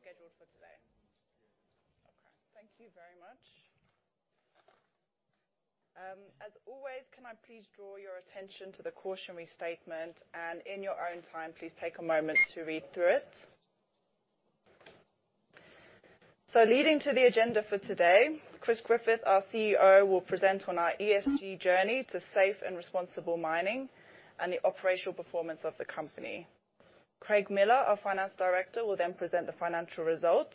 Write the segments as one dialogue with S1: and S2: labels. S1: Safety alarms scheduled for today. Okay, thank you very much. As always, can I please draw your attention to the cautionary statement and in your own time, please take a moment to read through it. Leading to the agenda for today, Chris Griffith, our CEO, will present on our ESG journey to safe and responsible mining and the operational performance of the company. Craig Miller, our Finance Director, will then present the financial results,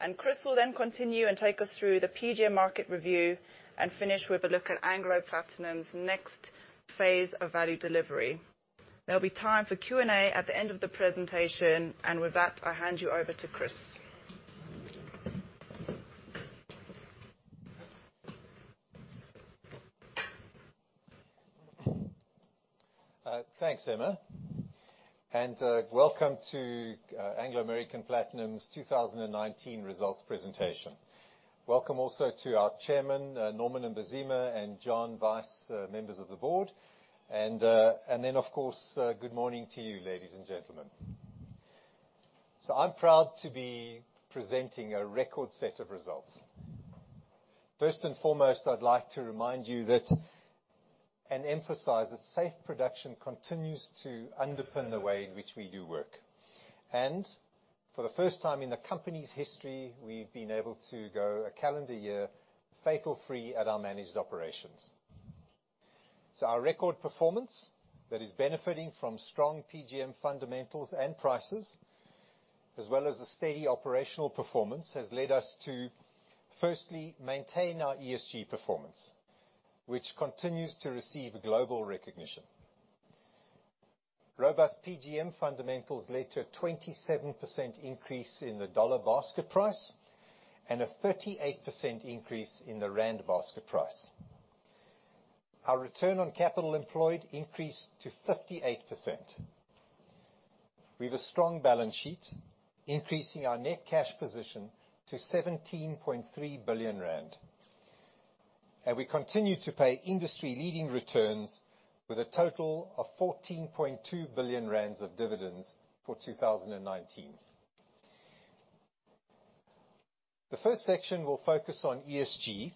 S1: and Chris will then continue and take us through the PGM market review and finish with a look at Anglo Platinum's next phase of value delivery. There'll be time for Q&A at the end of the presentation. With that, I hand you over to Chris.
S2: Thanks, Emma, welcome to Anglo American Platinum's 2019 results presentation. Welcome also to our Chairman, Norman Mbazima and John Vice, members of the board. Good morning to you, ladies and gentlemen. I'm proud to be presenting a record set of results. First and foremost, I'd like to remind you that, and emphasize that safe production continues to underpin the way in which we do work. For the first time in the company's history, we've been able to go a calendar year fatal free at our managed operations. Our record performance, that is benefiting from strong PGM fundamentals and prices, as well as the steady operational performance, has led us to firstly maintain our ESG performance, which continues to receive global recognition. Robust PGM fundamentals led to a 27% increase in the dollar basket price and a 38% increase in the ZAR basket price. Our ROCE increased to 58%. We've a strong balance sheet, increasing our net cash position to 17.3 billion rand. We continue to pay industry leading returns with a total of 14.2 billion rand of dividends for 2019. The first section will focus on ESG,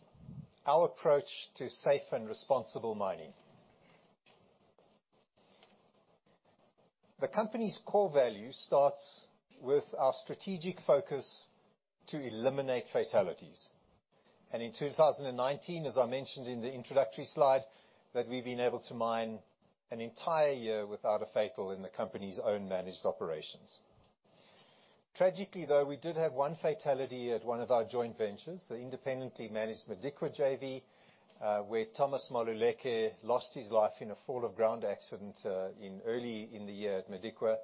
S2: our approach to safe and responsible mining. The company's core value starts with our strategic focus to eliminate fatalities. In 2019, as I mentioned in the introductory slide, that we've been able to mine an entire year without a fatality in the company's own managed operations. Tragically though, we did have one fatality at one of our joint ventures, the independently managed Modikwa JV, where Thomas Maluleke lost his life in a fall of ground accident early in the year at Modikwa.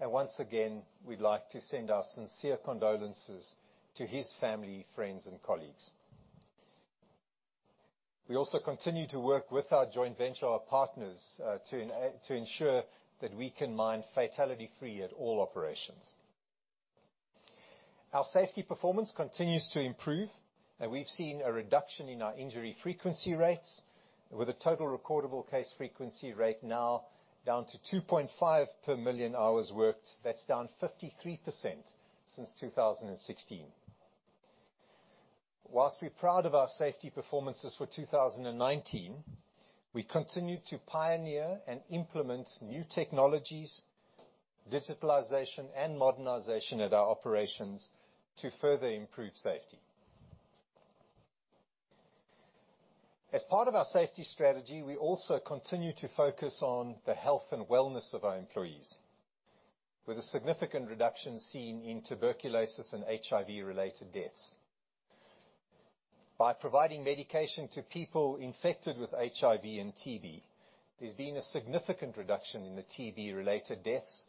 S2: Once again, we'd like to send our sincere condolences to his family, friends, and colleagues. We also continue to work with our joint venture partners, to ensure that we can mine fatality free at all operations. Our safety performance continues to improve, we've seen a reduction in our injury frequency rates with a total recordable case frequency rate now down to 2.5 per million hours worked. That's down 53% since 2016. Whilst we're proud of our safety performances for 2019, we continue to pioneer and implement new technologies, digitalization, and modernization at our operations to further improve safety. As part of our safety strategy, we also continue to focus on the health and wellness of our employees, with a significant reduction seen in tuberculosis and HIV-related deaths. By providing medication to people infected with HIV and TB, there's been a significant reduction in the TB-related deaths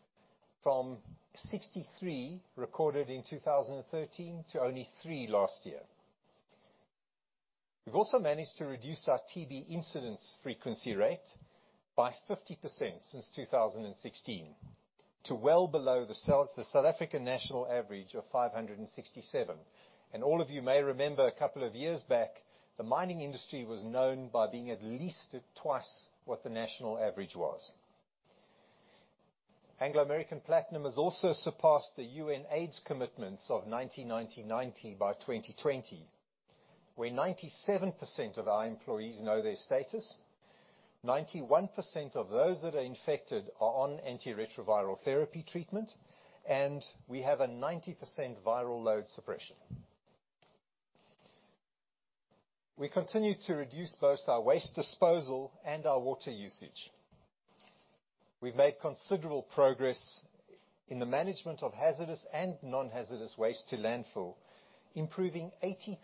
S2: from 63 recorded in 2013 to only three last year. We've also managed to reduce our TB incidence frequency rate by 50% since 2016, to well below the South African national average of 567. All of you may remember a couple of years back, the mining industry was known by being at least twice what the national average was. Anglo American Platinum has also surpassed the UNAIDS commitments of 90-90-90 by 2020, where 97% of our employees know their status, 91% of those that are infected are on antiretroviral therapy treatment, and we have a 90% viral load suppression. We continue to reduce both our waste disposal and our water usage. We've made considerable progress in the management of hazardous and non-hazardous waste to landfill, improving 83%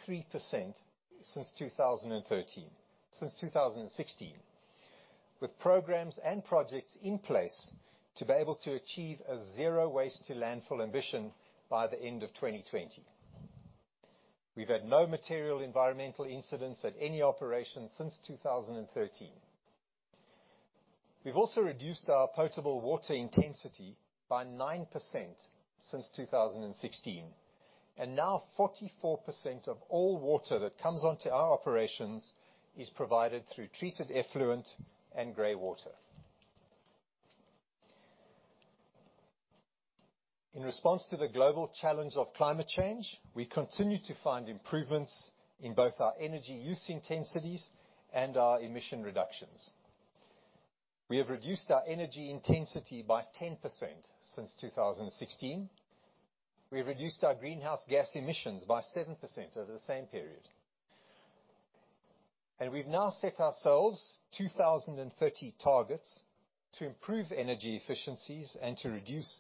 S2: since 2016, with programs and projects in place to be able to achieve a zero waste to landfill ambition by the end of 2020. We've had no material environmental incidents at any operation since 2013. We've also reduced our potable water intensity by 9% since 2016. Now 44% of all water that comes onto our operations is provided through treated effluent and gray water. In response to the global challenge of climate change, we continue to find improvements in both our energy use intensities and our emission reductions. We have reduced our energy intensity by 10% since 2016. We have reduced our greenhouse gas emissions by 7% over the same period. We've now set ourselves 2030 targets to improve energy efficiencies and to reduce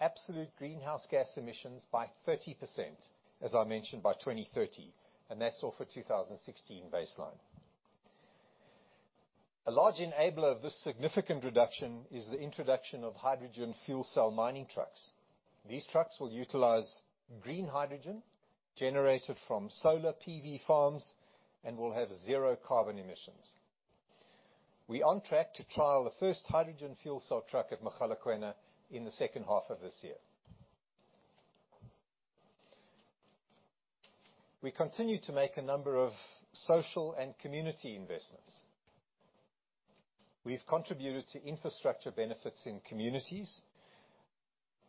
S2: absolute greenhouse gas emissions by 30%, as I mentioned, by 2030, and that's off a 2016 baseline. A large enabler of this significant reduction is the introduction of hydrogen fuel cell mining trucks. These trucks will utilize green hydrogen generated from solar PV farms and will have zero carbon emissions. We are on track to trial the first hydrogen fuel cell truck at Mogalakwena in the second half of this year. We continue to make a number of social and community investments. We've contributed to infrastructure benefits in communities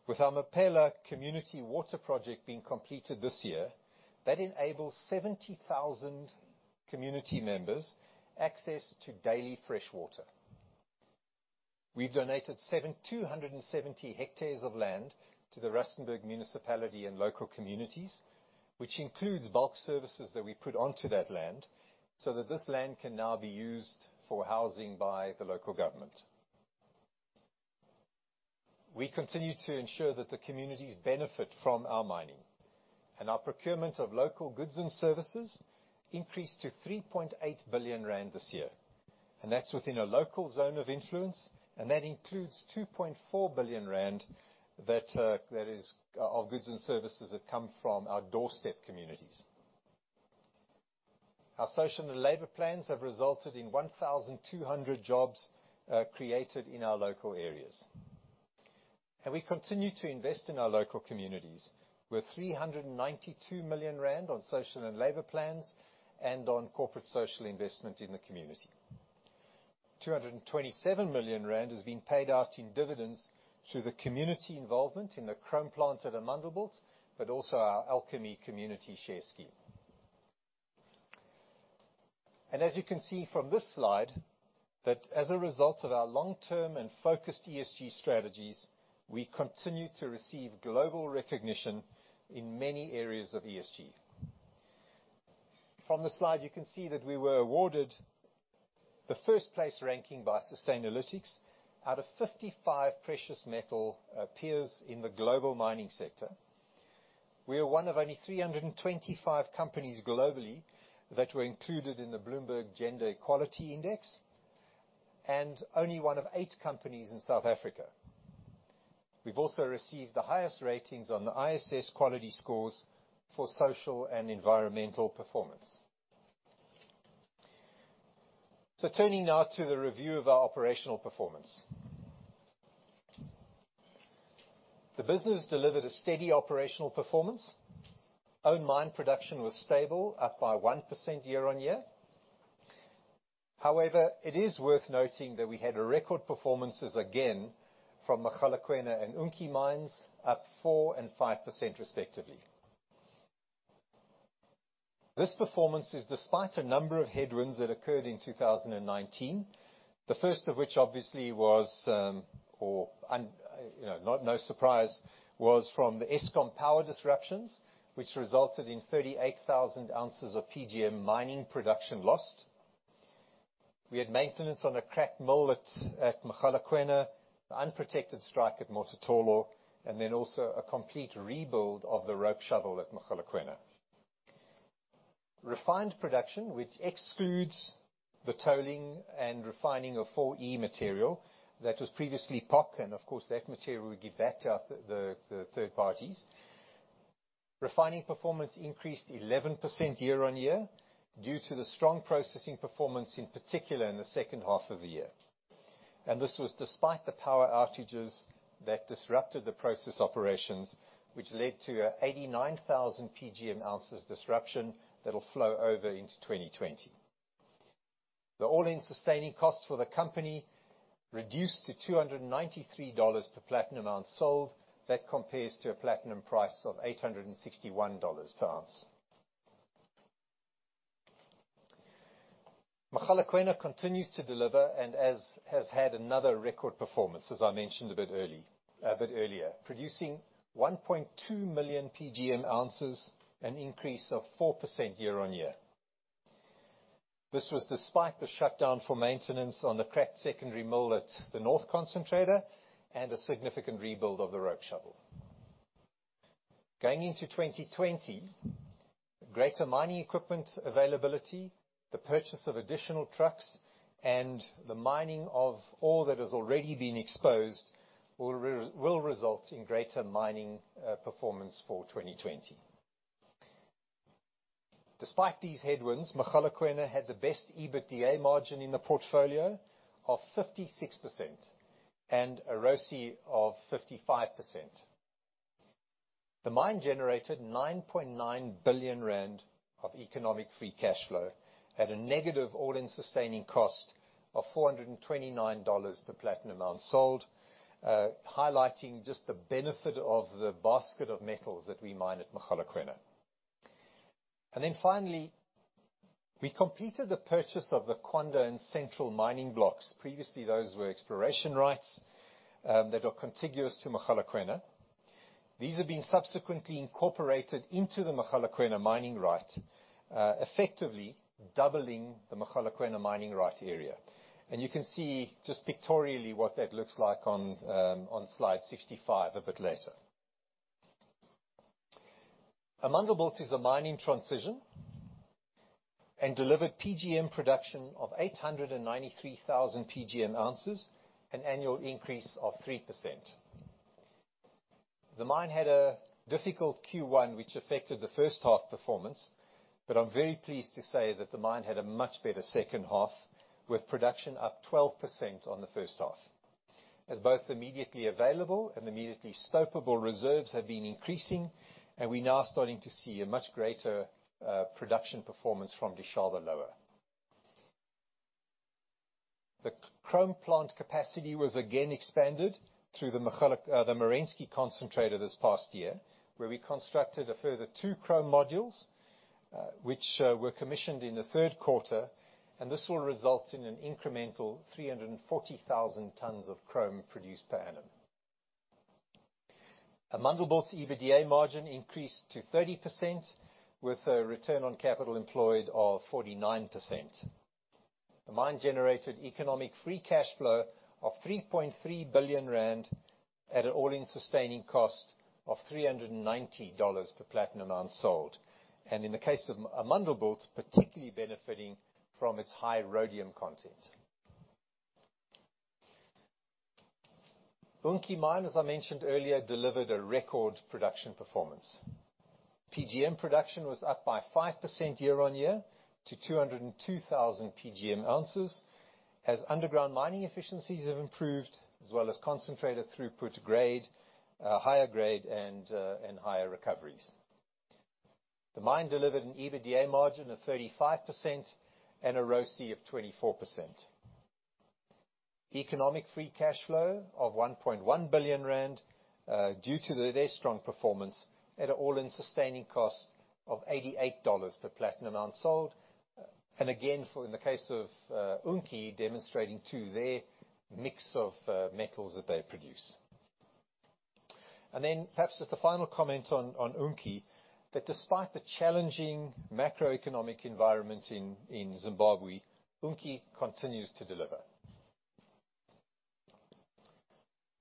S2: with our Mapela community water project being completed this year. That enables 70,000 community members access to daily fresh water. We've donated 270 hectares of land to the Rustenburg municipality and local communities, which includes bulk services that we put onto that land, so that this land can now be used for housing by the local government. We continue to ensure that the communities benefit from our mining. Our procurement of local goods and services increased to 3.8 billion rand this year, and that's within a local zone of influence, and that includes 2.4 billion rand of goods and services that come from our doorstep communities. Our social and labor plans have resulted in 1,200 jobs created in our local areas. We continue to invest in our local communities with 392 million rand on social and labor plans and on corporate social investment in the community. 227 million rand has been paid out in dividends through the community involvement in the chrome plant at Amandelbult, but also our Alchemy community share scheme. As you can see from this slide, as a result of our long-term and focused ESG strategies, we continue to receive global recognition in many areas of ESG. From the slide, you can see that we were awarded the first-place ranking by Sustainalytics out of 55 precious metal peers in the global mining sector. We are one of only 325 companies globally that were included in the Bloomberg Gender-Equality Index, and only one of eight companies in South Africa. We've also received the highest ratings on the ISS quality scores for social and environmental performance. Turning now to the review of our operational performance. The business delivered a steady operational performance. Own mine production was stable, up by 1% year-on-year. However, it is worth noting that we had record performances again from Mogalakwena and Unki mines, up 4% and 5% respectively. This performance is despite a number of headwinds that occurred in 2019. The first of which obviously was, no surprise, was from the Eskom power disruptions, which resulted in 38,000 ounces of PGM mining production lost. We had maintenance on a cracked mill at Mogalakwena, the unprotected strike at Mototolo, and then also a complete rebuild of the rope shovel at Mogalakwena. Refined production, which excludes the tolling and refining of 4E material that was previously POC, and of course, that material we give back to the third parties. Refining performance increased 11% year-on-year due to the strong processing performance, in particular in the second half of the year. This was despite the power outages that disrupted the process operations, which led to a 89,000 PGM ounces disruption that'll flow over into 2020. The all-in sustaining costs for the company reduced to $293 per platinum ounce sold. That compares to a platinum price of $861 per ounce. Mogalakwena continues to deliver and has had another record performance, as I mentioned a bit earlier, producing 1.2 million PGM ounces, an increase of 4% year-on-year. This was despite the shutdown for maintenance on the cracked secondary mill at the North Concentrator and a significant rebuild of the rope shovel. Going into 2020, greater mining equipment availability, the purchase of additional trucks, and the mining of ore that has already been exposed will result in greater mining performance for 2020. Despite these headwinds, Mogalakwena had the best EBITDA margin in the portfolio of 56% and a ROCE of 55%. The mine generated 9.9 billion rand of economic free cash flow at a negative all-in sustaining cost of $429 per platinum ounce sold, highlighting just the benefit of the basket of metals that we mine at Mogalakwena. Finally, we completed the purchase of the Kwanda and Central mining blocks. Previously, those were exploration rights that are contiguous to Mogalakwena. These have been subsequently incorporated into the Mogalakwena mining right, effectively doubling the Mogalakwena mining right area. You can see just pictorially what that looks like on slide 65 a bit later. Amandelbult is a mining transition and delivered PGM production of 893,000 PGM ounces, an annual increase of 3%. The mine had a difficult Q1, which affected the first half performance, but I'm very pleased to say that the mine had a much better second half, with production up 12% on the first half. As both immediately available and immediately stoppable reserves have been increasing, we're now starting to see a much greater production performance from Dishaba Lower. The chrome plant capacity was again expanded through the Merensky concentrator this past year, where we constructed a further two chrome modules, which were commissioned in the third quarter, this will result in an incremental 340,000 tons of chrome produced per annum. Amandelbult's EBITDA margin increased to 30% with a return on capital employed of 49%. The mine generated economic free cash flow of 3.3 billion rand at an all-in sustaining cost of $390 per platinum ounce sold. In the case of Amandelbult, particularly benefiting from its high rhodium content. Unki mine, as I mentioned earlier, delivered a record production performance. PGM production was up by 5% year-on-year to 202,000 PGM ounces, as underground mining efficiencies have improved, as well as concentrator throughput grade, higher grade, and higher recoveries. The mine delivered an EBITDA margin of 35% and a ROCE of 24%. Economic free cash flow of 1.1 billion rand, due to their strong performance at all-in sustaining cost of $88 per platinum ounce sold. Again, in the case of Unki, demonstrating too their mix of metals that they produce. Perhaps just a final comment on Unki, that despite the challenging macroeconomic environment in Zimbabwe, Unki continues to deliver.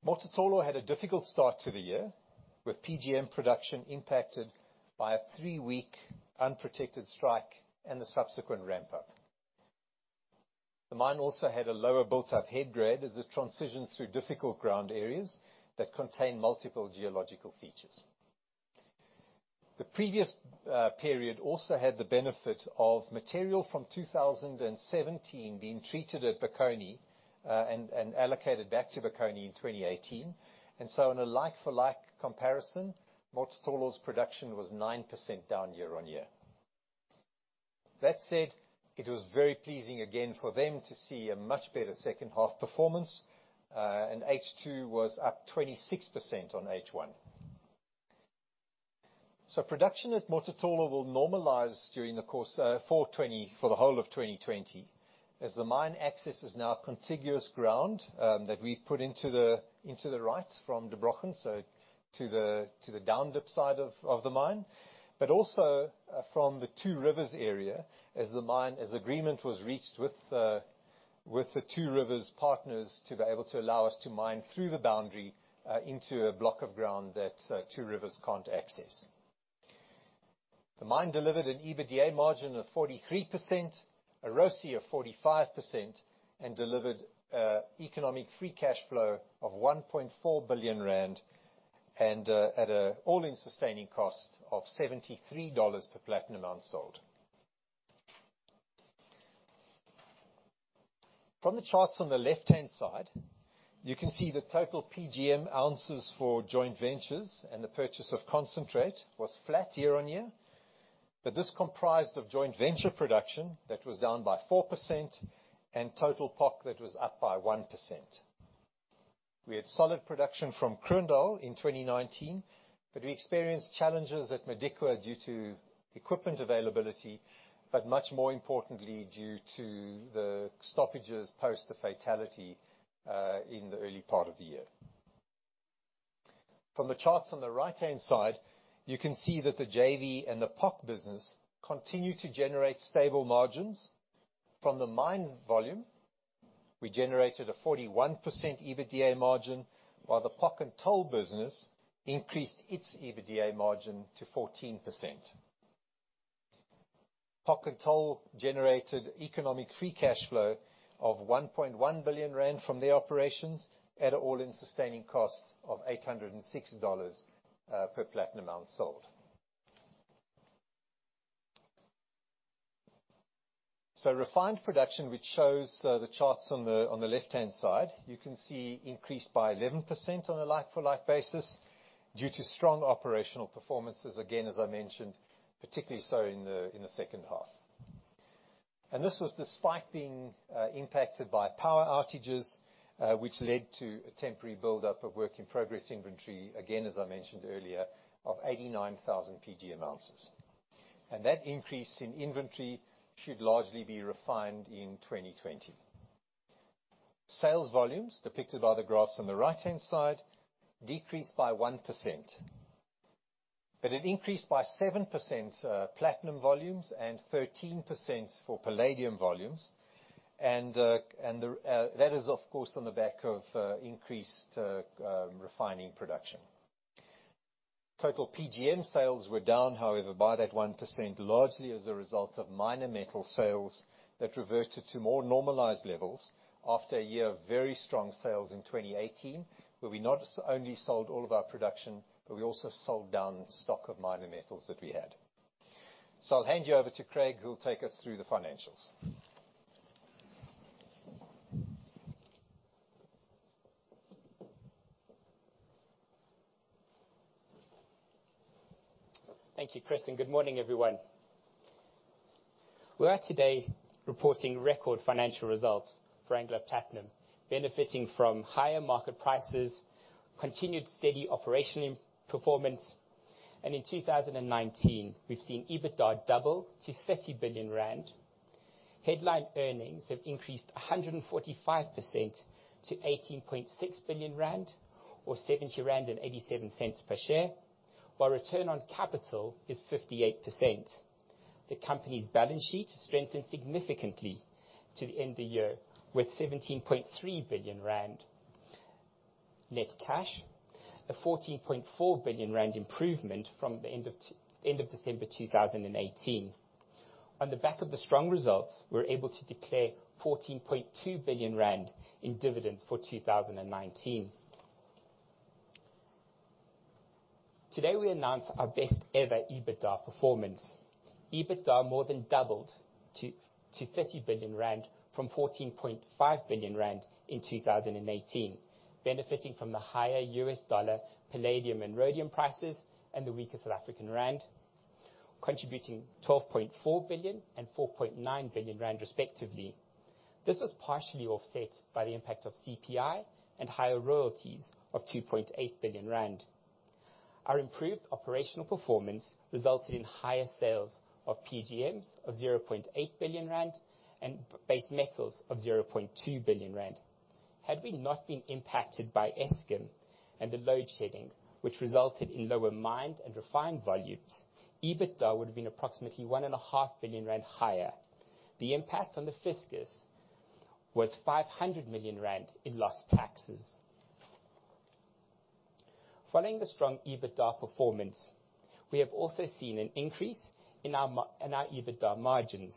S2: Mototolo had a difficult start to the year, with PGM production impacted by a three-week unprotected strike and the subsequent ramp-up. The mine also had a lower built-up head grade as it transitions through difficult ground areas that contain multiple geological features. The previous period also had the benefit of material from 2017 being treated at Bokoni, and allocated back to Bokoni in 2018. In a like-for-like comparison, Mototolo's production was 9% down year-on-year. That said, it was very pleasing again for them to see a much better second half performance, and H2 was up 26% on H1. Production at Mototolo will normalize for the whole of 2020, as the mine access is now contiguous ground that we put into the rights from Der Brochen, so to the down-dip side of the mine, but also from the Two Rivers area, as agreement was reached with the Two Rivers partners to be able to allow us to mine through the boundary into a block of ground that Two Rivers can't access. The mine delivered an EBITDA margin of 43%, a ROCE of 45%, and delivered economic free cash flow of 1.4 billion rand at an all-in sustaining cost of $73 per platinum ounce sold. From the charts on the left-hand side, you can see the total PGM ounces for joint ventures and the purchase of concentrate was flat year-on-year, this comprised of joint venture production that was down by 4% and total POC that was up by 1%. We had solid production from Kroondal in 2019, we experienced challenges at Modikwa due to equipment availability, much more importantly, due to the stoppages post the fatality in the early part of the year. From the charts on the right-hand side, you can see that the JV and the POC business continue to generate stable margins. From the mine volume, we generated a 41% EBITDA margin, while the POC and toll business increased its EBITDA margin to 14%. POC and toll generated economic free cash flow of 1.1 billion rand from the operations at an all-in sustaining cost of $860 per platinum ounce sold. Refined production, which shows the charts on the left-hand side, you can see increased by 11% on a like-for-like basis due to strong operational performances, again, as I mentioned, particularly so in the second half. This was despite being impacted by power outages, which led to a temporary buildup of work-in-progress inventory, again, as I mentioned earlier, of 89,000 PGM ounces. That increase in inventory should largely be refined in 2020. Sales volumes, depicted by the graphs on the right-hand side, decreased by 1%, but it increased by 7% platinum volumes and 13% for palladium volumes. That is, of course, on the back of increased refining production. Total PGM sales were down, however, by that 1%, largely as a result of minor metal sales that reverted to more normalized levels after a year of very strong sales in 2018, where we not only sold all of our production, but we also sold down stock of minor metals that we had. I'll hand you over to Craig, who will take us through the financials.
S3: Thank you, Chris. Good morning, everyone. We are today reporting record financial results for Valterra Platinum, benefiting from higher market prices, continued steady operational performance. In 2019, we've seen EBITDA double to 30 billion rand. Headline earnings have increased 145% to 18.6 billion rand, or 70.87 rand per share. While return on capital is 58%. The company's balance sheet strengthened significantly to the end of the year, with 17.3 billion rand net cash, a 14.4 billion rand improvement from the end of December 2018. On the back of the strong results, we're able to declare 14.2 billion rand in dividends for 2019. Today we announce our best ever EBITDA performance. EBITDA more than doubled to 30 billion rand from 14.5 billion rand in 2018, benefiting from the higher US dollar palladium and rhodium prices and the weaker South African rand, contributing 12.4 billion and 4.9 billion rand respectively. This was partially offset by the impact of CPI and higher royalties of 2.8 billion rand. Our improved operational performance resulted in higher sales of PGMs of 0.8 billion rand and base metals of 0.2 billion rand. Had we not been impacted by Eskom and the load shedding, which resulted in lower mined and refined volumes, EBITDA would have been approximately 1.5 billion rand higher. The impact on the fiscus was 500 million rand in lost taxes. Following the strong EBITDA performance, we have also seen an increase in our EBITDA margins.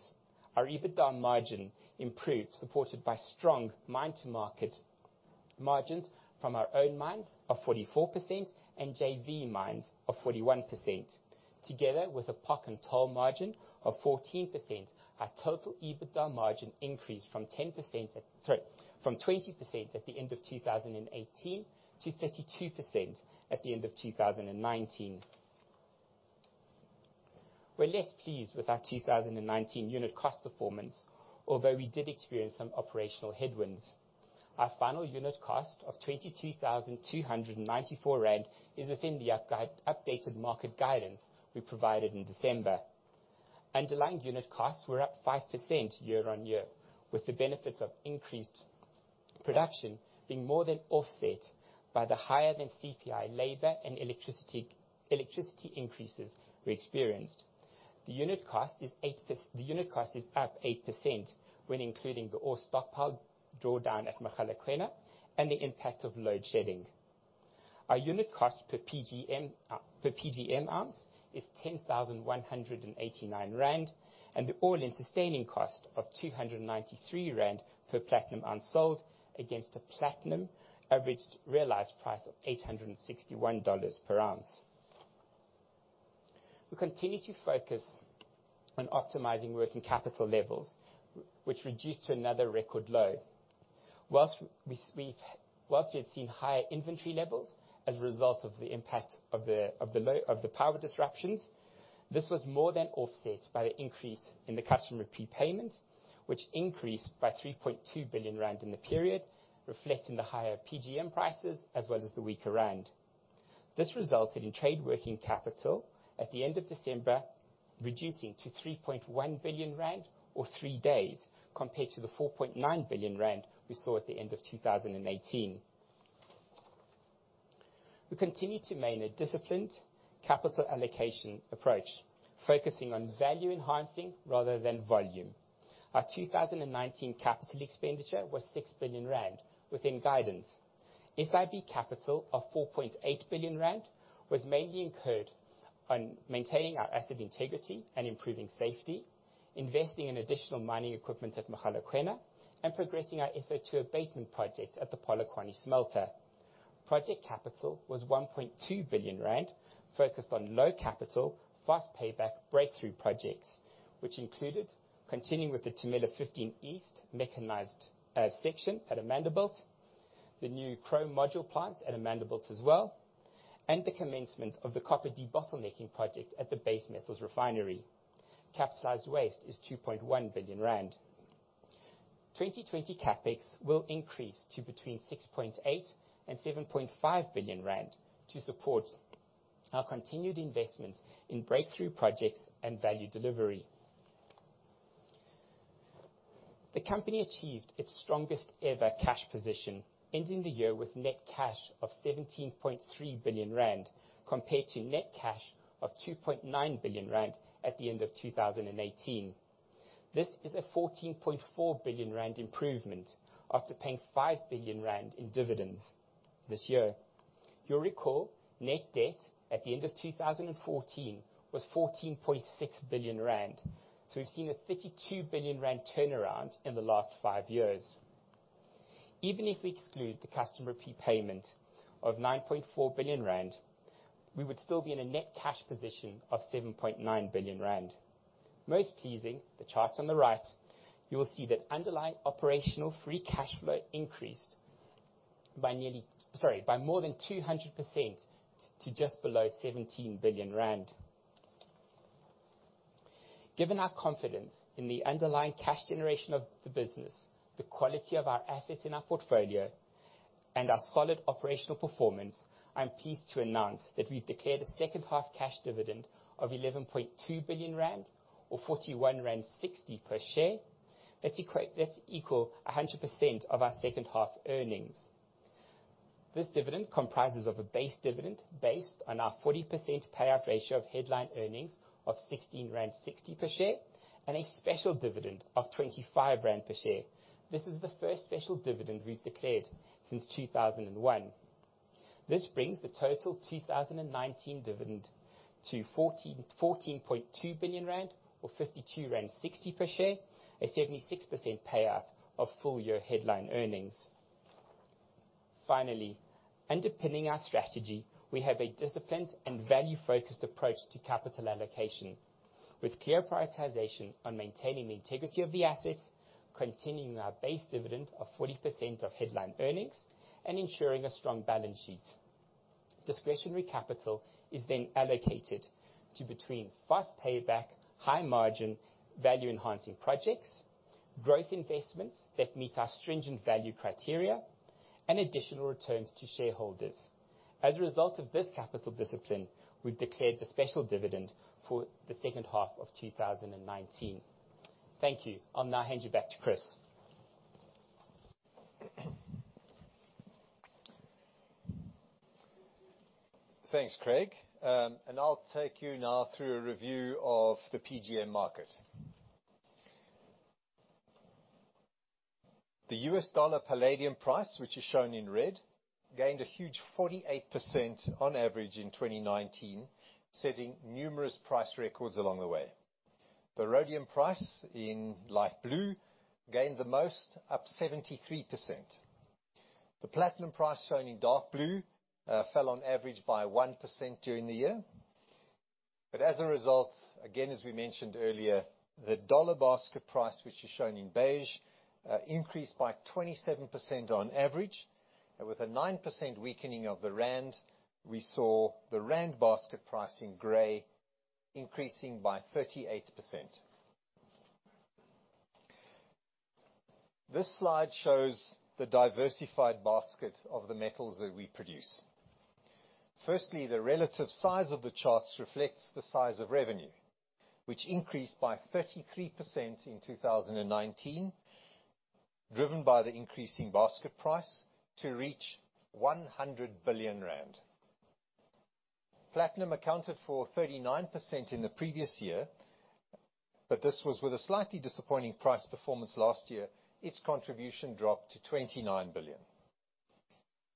S3: Our EBITDA margin improved, supported by strong mine-to-market margins from our own mines of 44% and JV mines of 41%, together with a POC and toll margin of 14%. Our total EBITDA margin increased from 20% at the end of 2018 to 32% at the end of 2019. We're less pleased with our 2019 unit cost performance, although we did experience some operational headwinds. Our final unit cost of 22,294 rand is within the updated market guidance we provided in December. Underlying unit costs were up 5% year-on-year, with the benefits of increased production being more than offset by the higher than CPI labor and electricity increases we experienced. The unit cost is up 8% when including the ore stockpile drawdown at Mogalakwena and the impact of load shedding. Our unit cost per PGM ounce is 10,189 rand, and the all-in sustaining cost of 293 rand per platinum ounce sold against a platinum averaged realized price of $861 per ounce. We continue to focus on optimizing working capital levels, which reduced to another record low. Whilst we have seen higher inventory levels as a result of the impact of the power disruptions, this was more than offset by the increase in the customer prepayment, which increased by 3.2 billion rand in the period, reflecting the higher PGM prices as well as the weaker rand. This resulted in trade working capital at the end of December, reducing to 3.1 billion rand or three days compared to the 4.9 billion rand we saw at the end of 2018. We continue to maintain a disciplined capital allocation approach, focusing on value enhancing rather than volume. Our 2019 CapEx was 6 billion rand within guidance. SIB capital of 4.8 billion rand was mainly incurred on maintaining our asset integrity and improving safety, investing in additional mining equipment at Mogalakwena, and progressing our SO2 abatement project at the Polokwane smelter. Project capital was 1.2 billion rand, focused on low capital, fast payback breakthrough projects, which included continuing with the Tumela 15 East mechanized section at Amandelbult, the new chrome module plant at Amandelbult as well, and the commencement of the copper debottlenecking project at the base metals refinery. Capitalized waste is 2.1 billion rand. 2020 CapEx will increase to between 6.8 billion and 7.5 billion rand to support our continued investment in breakthrough projects and value delivery. The company achieved its strongest ever cash position, ending the year with net cash of 17.3 billion rand, compared to net cash of 2.9 billion rand at the end of 2018. This is a 14.4 billion rand improvement after paying 5 billion rand in dividends this year. You'll recall net debt at the end of 2014 was 14.6 billion rand. We've seen a 32 billion rand turnaround in the last five years. Even if we exclude the customer prepayment of 9.4 billion rand, we would still be in a net cash position of 7.9 billion rand. Most pleasing, the chart on the right, you will see that underlying operational free cash flow increased by more than 200% to just below 17 billion rand. Given our confidence in the underlying cash generation of the business, the quality of our assets in our portfolio, and our solid operational performance, I'm pleased to announce that we've declared a second half cash dividend of 11.2 billion rand or 41.60 rand per share. That's equal 100% of our second half earnings. This dividend comprises of a base dividend based on our 40% payout ratio of headline earnings of 16.60 rand per share, and a special dividend of 25 rand per share. This is the first special dividend we've declared since 2001. This brings the total 2019 dividend to 14.2 billion rand or 52.60 rand per share, a 76% payout of full year headline earnings. Finally, underpinning our strategy, we have a disciplined and value-focused approach to capital allocation, with clear prioritization on maintaining the integrity of the assets, continuing our base dividend of 40% of headline earnings, and ensuring a strong balance sheet. Discretionary capital is then allocated to between fast payback, high margin, value enhancing projects, growth investments that meet our stringent value criteria, and additional returns to shareholders. As a result of this capital discipline, we've declared the special dividend for the second half of 2019. Thank you. I'll now hand you back to Chris.
S2: Thanks, Craig. I'll take you now through a review of the PGM market. The US dollar palladium price, which is shown in red, gained a huge 48% on average in 2019, setting numerous price records along the way. The rhodium price in light blue gained the most, up 73%. The platinum price shown in dark blue, fell on average by 1% during the year. As a result, again, as we mentioned earlier, the dollar basket price, which is shown in beige, increased by 27% on average. With a 9% weakening of the rand, we saw the rand basket price in gray increasing by 38%. This slide shows the diversified basket of the metals that we produce. Firstly, the relative size of the charts reflects the size of revenue, which increased by 33% in 2019, driven by the increasing basket price to reach 100 billion rand. Platinum accounted for 39% in the previous year. This was with a slightly disappointing price performance last year. Its contribution dropped to 29 billion.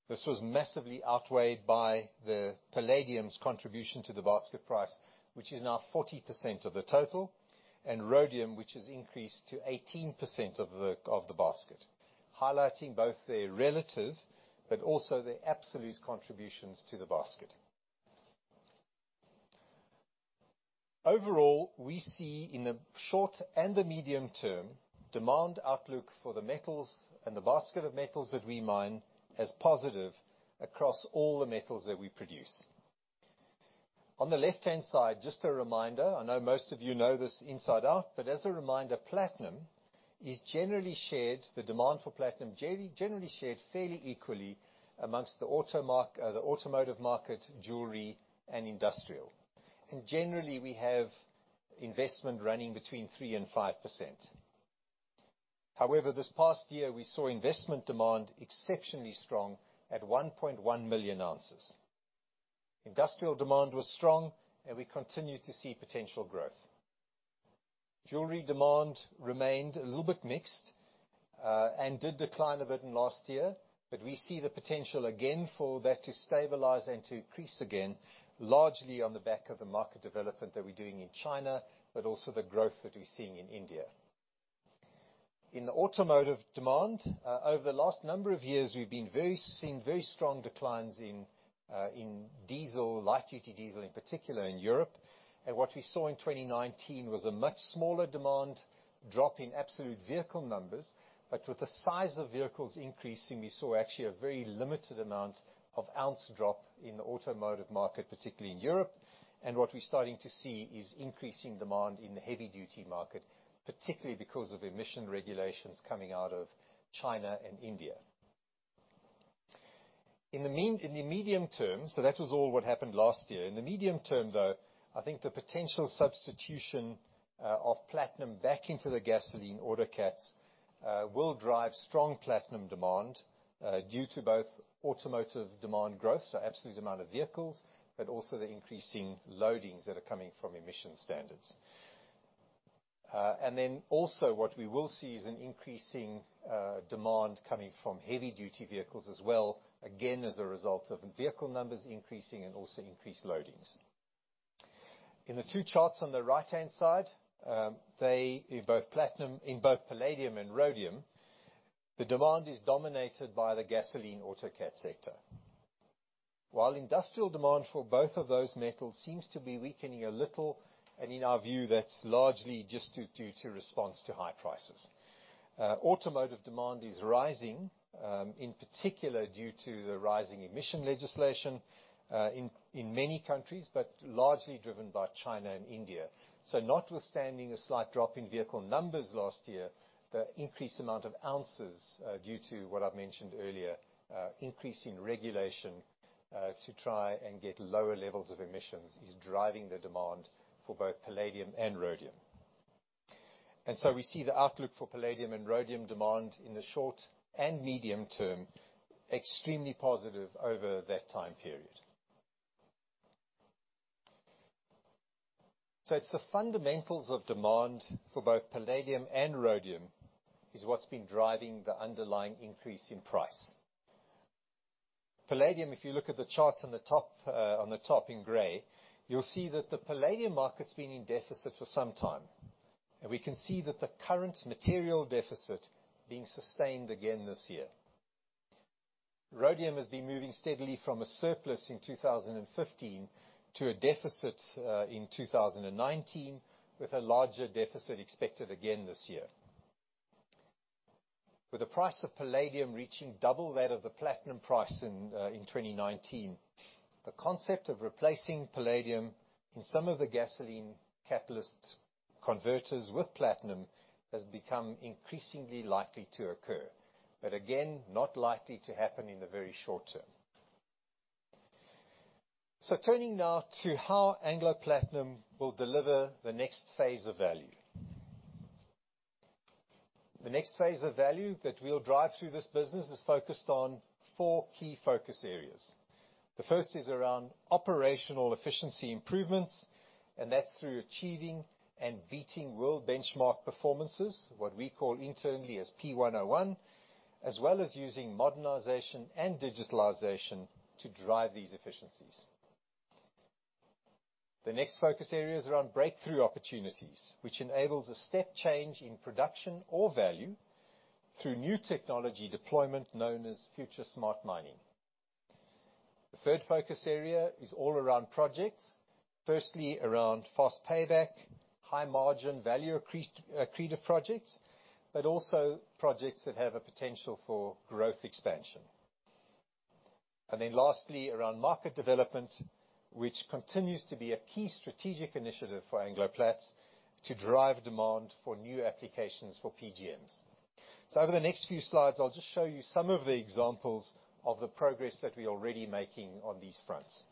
S2: This was massively outweighed by the palladium's contribution to the basket price, which is now 40% of the total, and rhodium, which has increased to 18% of the basket, highlighting both their relative but also their absolute contributions to the basket. Overall, we see in the short and the medium term, demand outlook for the metals and the basket of metals that we mine as positive across all the metals that we produce. On the left-hand side, just a reminder, I know most of you know this inside out. As a reminder, platinum is generally shared fairly equally amongst the automotive market, jewelry, and industrial. Generally, we have investment running between 3% and 5%. This past year, we saw investment demand exceptionally strong at 1.1 million ounces. Industrial demand was strong, we continue to see potential growth. Jewelry demand remained a little bit mixed, did decline a bit in last year. We see the potential again for that to stabilize and to increase again, largely on the back of the market development that we're doing in China, also the growth that we're seeing in India. In the automotive demand, over the last number of years, we've been seeing very strong declines in diesel, light-duty diesel in particular in Europe. What we saw in 2019 was a much smaller demand drop in absolute vehicle numbers. With the size of vehicles increasing, we saw actually a very limited amount of ounce drop in the automotive market, particularly in Europe. What we're starting to see is increasing demand in the heavy duty market, particularly because of emission regulations coming out of China and India. In the medium term, so that was all what happened last year. In the medium term, though, I think the potential substitution of platinum back into the gasoline autocats will drive strong platinum demand, due to both automotive demand growth, so absolute amount of vehicles, but also the increasing loadings that are coming from emission standards. Then also what we will see is an increasing demand coming from heavy duty vehicles as well, again, as a result of vehicle numbers increasing and also increased loadings. In the two charts on the right-hand side, in both palladium and rhodium, the demand is dominated by the gasoline autocat sector. While industrial demand for both of those metals seems to be weakening a little. In our view, that's largely just due to response to high prices. Automotive demand is rising, in particular due to the rising emission legislation, in many countries. Largely driven by China and India. Notwithstanding a slight drop in vehicle numbers last year, the increased amount of ounces, due to what I've mentioned earlier, increase in regulation to try and get lower levels of emissions, is driving the demand for both palladium and rhodium. We see the outlook for palladium and rhodium demand in the short and medium term extremely positive over that time period. It's the fundamentals of demand for both palladium and rhodium is what's been driving the underlying increase in price. Palladium, if you look at the charts on the top in gray, you'll see that the palladium market's been in deficit for some time. We can see that the current material deficit being sustained again this year. Rhodium has been moving steadily from a surplus in 2015 to a deficit in 2019, with a larger deficit expected again this year. With the price of palladium reaching double that of the platinum price in 2019, the concept of replacing palladium in some of the gasoline catalyst converters with platinum has become increasingly likely to occur. Again, not likely to happen in the very short term. Turning now to how Anglo Platinum will deliver the next phase of value. The next phase of value that we'll drive through this business is focused on four key focus areas. The 1st is around operational efficiency improvements. That's through achieving and beating world benchmark performances, what we call internally as P101, as well as using modernization and digitalization to drive these efficiencies. The next focus area is around breakthrough opportunities, which enables a step change in production or value through new technology deployment known as FutureSmart Mining. The 3rd focus area is all around projects, firstly around fast payback, high margin value accretive projects. Also projects that have a potential for growth expansion. Lastly, around market development, which continues to be a key strategic initiative for Anglo Plat to drive demand for new applications for PGMs. Over the next few slides, I'll just show you some of the examples of the progress that we're already making on these fronts.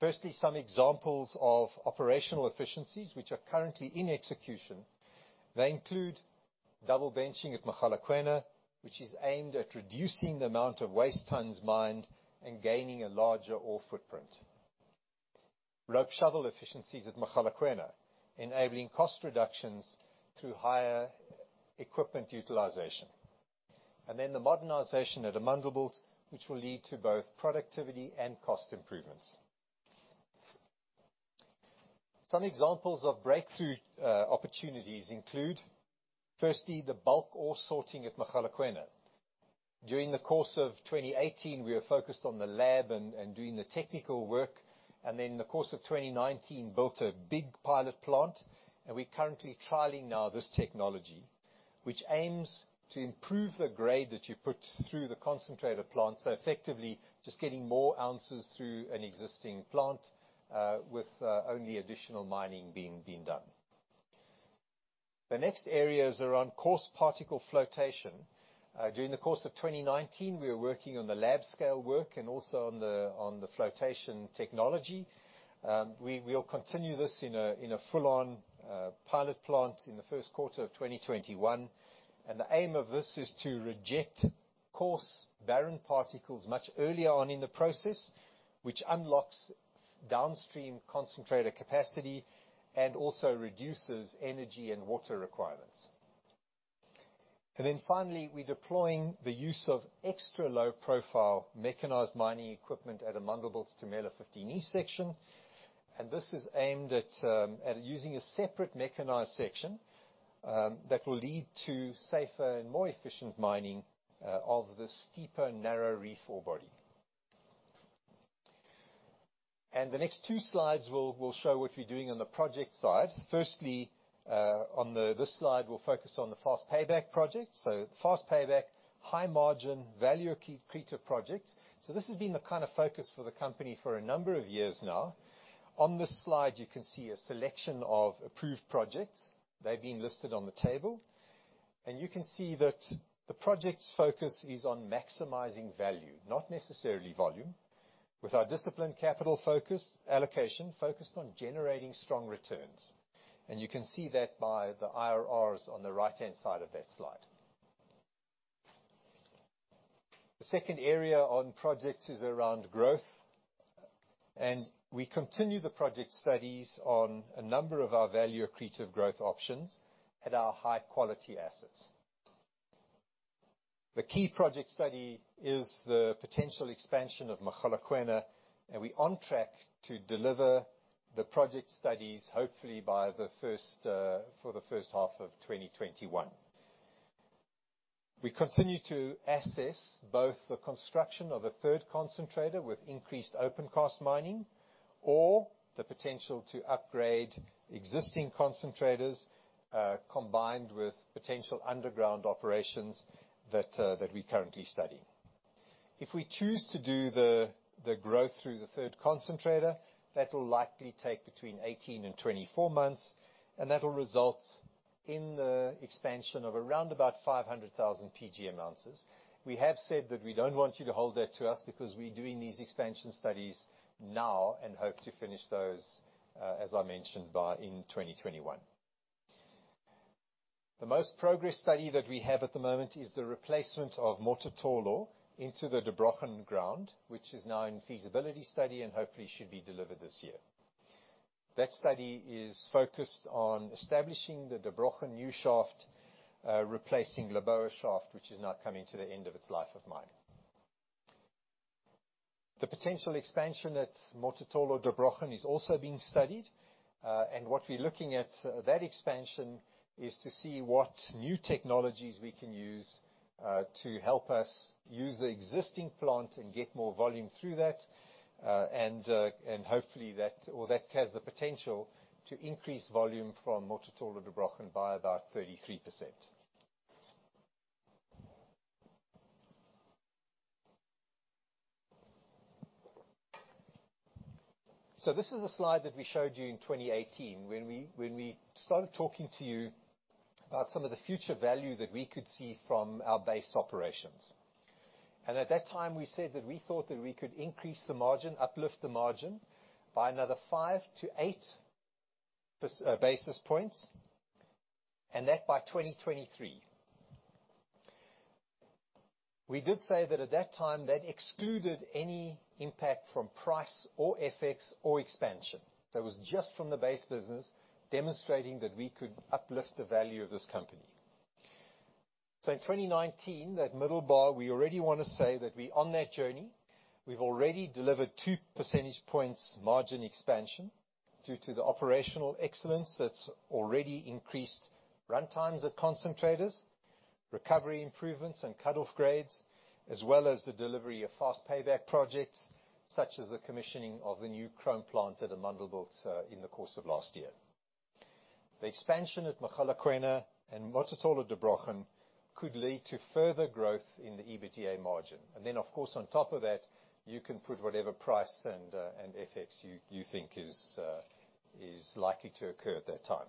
S2: Firstly, some examples of operational efficiencies which are currently in execution. They include double benching at Mogalakwena, which is aimed at reducing the amount of waste tons mined and gaining a larger ore footprint. Rope shovel efficiencies at Mogalakwena, enabling cost reductions through higher equipment utilization. The modernization at Amandelbult, which will lead to both productivity and cost improvements. Some examples of breakthrough opportunities include, firstly, the bulk ore sorting at Mogalakwena. During the course of 2018, we were focused on the lab and doing the technical work, and then in the course of 2019, built a big pilot plant. We're currently trialing now this technology, which aims to improve the grade that you put through the concentrator plant. Effectively, just getting more ounces through an existing plant, with only additional mining being done. The next area is around coarse particle flotation. During the course of 2019, we were working on the lab scale work and also on the flotation technology. We'll continue this in a full-on pilot plant in the first quarter of 2021. The aim of this is to reject coarse, barren particles much earlier on in the process, which unlocks downstream concentrator capacity and also reduces energy and water requirements. Finally, we're deploying the use of extra low profile mechanized mining equipment at Amandelbult's Tumela 15 East section. This is aimed at using a separate mechanized section that will lead to safer and more efficient mining of the steeper narrow reef ore body. The next two slides will show what we're doing on the project side. Firstly, on this slide, we'll focus on the fast payback project, a fast payback, high margin, value accretive project. This has been the kind of focus for the company for a number of years now. On this slide, you can see a selection of approved projects. They've been listed on the table, and you can see that the project's focus is on maximizing value, not necessarily volume, with our disciplined capital allocation focused on generating strong returns. You can see that by the IRRs on the right-hand side of that slide. The 2nd area on projects is around growth. We continue the project studies on a number of our value accretive growth options at our high-quality assets. The key project study is the potential expansion of Mogalakwena, and we're on track to deliver the project studies, hopefully for the first half of 2021. We continue to assess both the construction of a third concentrator with increased open cast mining, or the potential to upgrade existing concentrators, combined with potential underground operations that we currently study. If we choose to do the growth through the third concentrator, that will likely take between 18 and 24 months, and that will result in the expansion of around about 500,000 PGM ounces. We have said that we don't want you to hold that to us, because we're doing these expansion studies now and hope to finish those, as I mentioned, by in 2021. The most progress study that we have at the moment is the replacement of Mototolo into the Der Brochen ground, which is now in feasibility study and hopefully should be delivered this year. That study is focused on establishing the Der Brochen new shaft, replacing Lebowa shaft, which is now coming to the end of its life of mine. The potential expansion at Mototolo, Der Brochen is also being studied. What we're looking at that expansion is to see what new technologies we can use to help us use the existing plant and get more volume through that. Hopefully that has the potential to increase volume from Mototolo, Der Brochen by about 33%. This is a slide that we showed you in 2018 when we started talking to you about some of the future value that we could see from our base operations. At that time, we said that we thought that we could increase the margin, uplift the margin by another five to eight basis points, and that by 2023. We did say that at that time, that excluded any impact from price or FX or expansion. That was just from the base business, demonstrating that we could uplift the value of this company. In 2019, that middle bar, we already want to say that we're on that journey. We've already delivered two percentage points margin expansion due to the operational excellence that's already increased run times at concentrators, recovery improvements and cutoff grades, as well as the delivery of fast payback projects, such as the commissioning of the new chrome plant at Amandelbult in the course of last year. The expansion at Mogalakwena and Mototolo, Der Brochen could lead to further growth in the EBITDA margin. Then, of course, on top of that, you can put whatever price and FX you think is likely to occur at that time.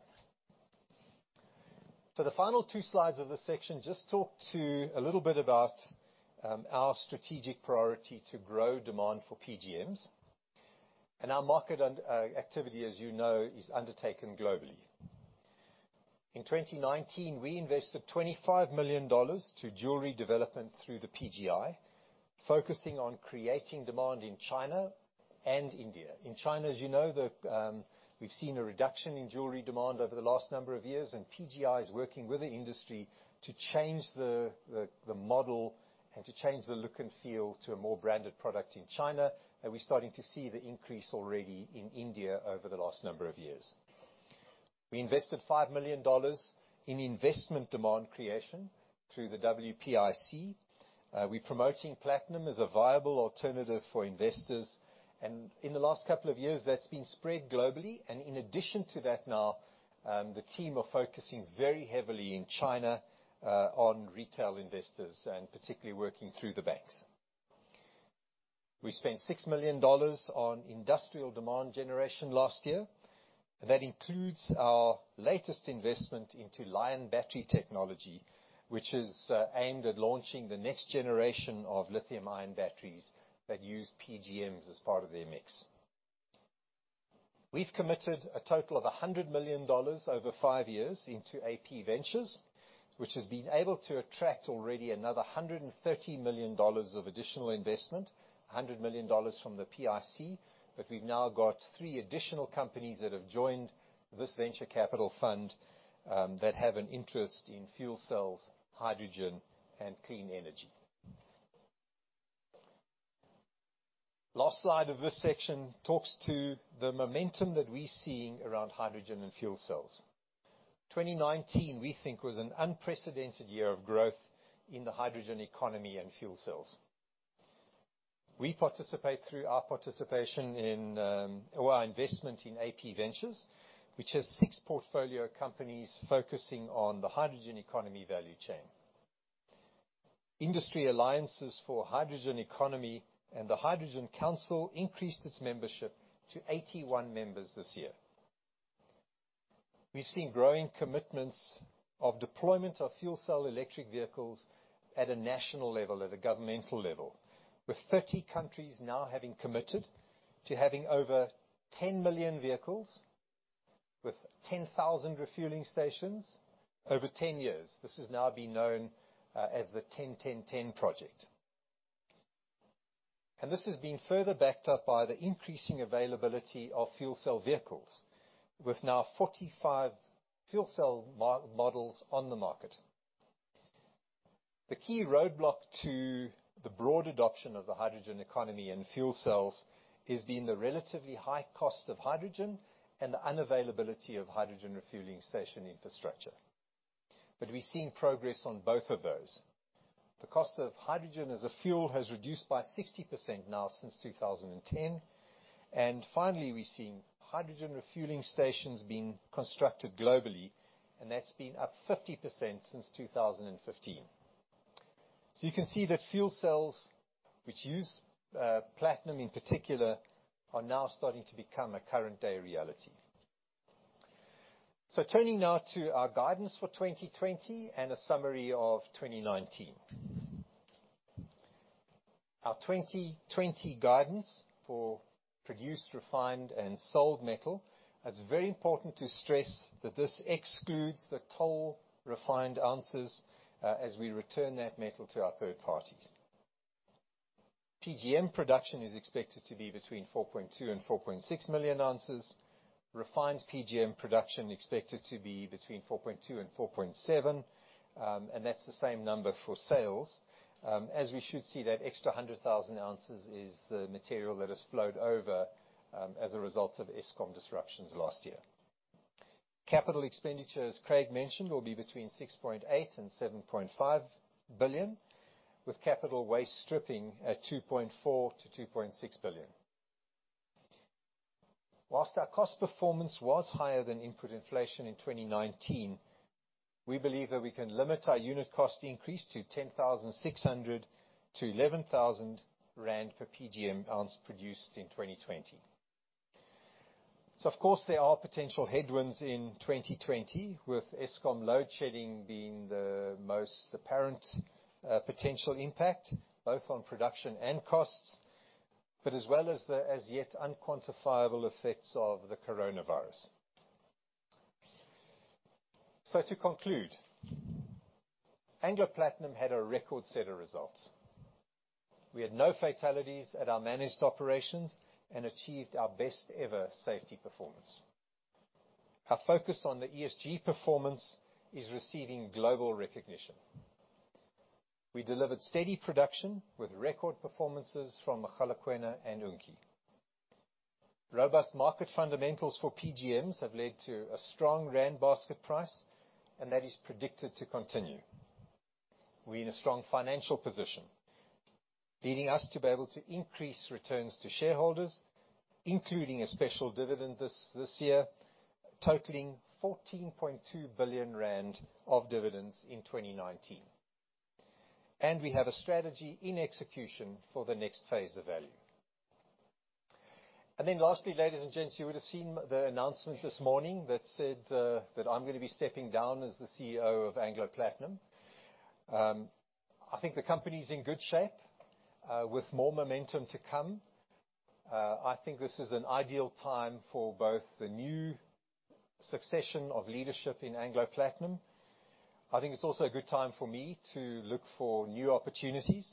S2: For the final two slides of this section, just talk to a little bit about our strategic priority to grow demand for PGMs. Our market activity, as you know, is undertaken globally. In 2019, we invested ZAR 25 million to jewelry development through the PGI, focusing on creating demand in China and India. In China, as you know, we've seen a reduction in jewelry demand over the last number of years, and PGI is working with the industry to change the model and to change the look and feel to a more branded product in China. We're starting to see the increase already in India over the last number of years. We invested ZAR 5 million in investment demand creation through the WPIC. We're promoting platinum as a viable alternative for investors, and in the last couple of years, that's been spread globally. In addition to that now, the team are focusing very heavily in China, on retail investors and particularly working through the banks. We spent ZAR 6 million on industrial demand generation last year. That includes our latest investment into Li-ion Battery Technologies, which is aimed at launching the next generation of lithium-ion batteries that use PGMs as part of their mix. We've committed a total of ZAR 100 million over five years into AP Ventures. Which has been able to attract already another ZAR 130 million of additional investment, ZAR 100 million from the PIC. We've now got three additional companies that have joined this venture capital fund, that have an interest in fuel cells, hydrogen, and clean energy. Last slide of this section talks to the momentum that we're seeing around hydrogen and fuel cells. 2019, we think, was an unprecedented year of growth in the hydrogen economy and fuel cells. We participate through our investment in AP Ventures, which has six portfolio companies focusing on the hydrogen economy value chain. Industry alliances for hydrogen economy and the Hydrogen Council increased its membership to 81 members this year. We've seen growing commitments of deployment of fuel cell electric vehicles at a national level, at a governmental level, with 30 countries now having committed to having over 10 million vehicles with 10,000 refueling stations over 10 years. This has now been known as the 10-10-10 Project. This has been further backed up by the increasing availability of fuel cell vehicles, with now 45 fuel cell models on the market. The key roadblock to the broad adoption of the hydrogen economy and fuel cells has been the relatively high cost of hydrogen and the unavailability of hydrogen refueling station infrastructure. We're seeing progress on both of those. The cost of hydrogen as a fuel has reduced by 60% now since 2010. Finally, we're seeing hydrogen refueling stations being constructed globally, and that's been up 50% since 2015. You can see that fuel cells, which use platinum in particular, are now starting to become a current day reality. Turning now to our guidance for 2020 and a summary of 2019. Our 2020 guidance for produced, refined, and sold metal, it's very important to stress that this excludes the toll refined ounces as we return that metal to our third parties. PGM production is expected to be between 4.2 million ounces and 4.6 million ounces. Refined PGM production expected to be between 4.2 and 4.7, and that's the same number for sales. We should see, that extra 100,000 ounces is the material that has flowed over as a result of Eskom disruptions last year. Capital expenditure, as Craig mentioned, will be between 6.8 billion and 7.5 billion, with capital waste stripping at 2.4 billion-2.6 billion. Whilst our cost performance was higher than input inflation in 2019, we believe that we can limit our unit cost increase to 10,600-11,000 rand per PGM ounce produced in 2020. Of course, there are potential headwinds in 2020, with Eskom load shedding being the most apparent potential impact, both on production and costs, but as well as the as yet unquantifiable effects of the coronavirus. To conclude, Anglo Platinum had a record set of results. We had no fatalities at our managed operations and achieved our best ever safety performance. Our focus on the ESG performance is receiving global recognition. We delivered steady production with record performances from Mogalakwena and Unki. Robust market fundamentals for PGMs have led to a strong rand basket price, that is predicted to continue. We're in a strong financial position, leading us to be able to increase returns to shareholders, including a special dividend this year, totaling 14.2 billion rand of dividends in 2019. We have a strategy in execution for the next phase of value. Lastly, ladies and gents, you would have seen the announcement this morning that said that I'm going to be stepping down as the CEO of Anglo Platinum. I think the company's in good shape, with more momentum to come. I think this is an ideal time for both the new succession of leadership in Anglo Platinum. I think it's also a good time for me to look for new opportunities.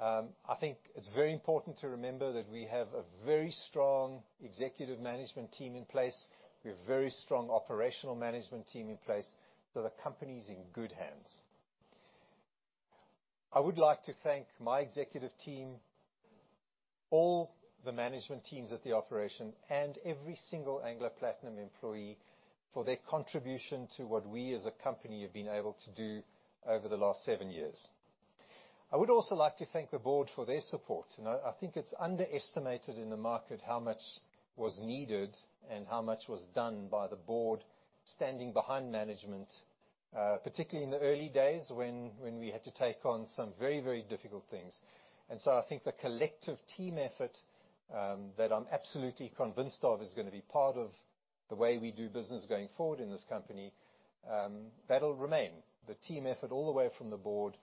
S2: I think it's very important to remember that we have a very strong executive management team in place. We have a very strong operational management team in place. The company's in good hands. I would like to thank my executive team, all the management teams at the operation, and every single Anglo Platinum employee for their contribution to what we as a company have been able to do over the last seven years. I would also like to thank the board for their support. I think it's underestimated in the market how much was needed and how much was done by the board standing behind management, particularly in the early days when we had to take on some very, very difficult things. I think the collective team effort that I'm absolutely convinced of is going to be part of the way we do business going forward in this company. That'll remain. The team effort all the way from the board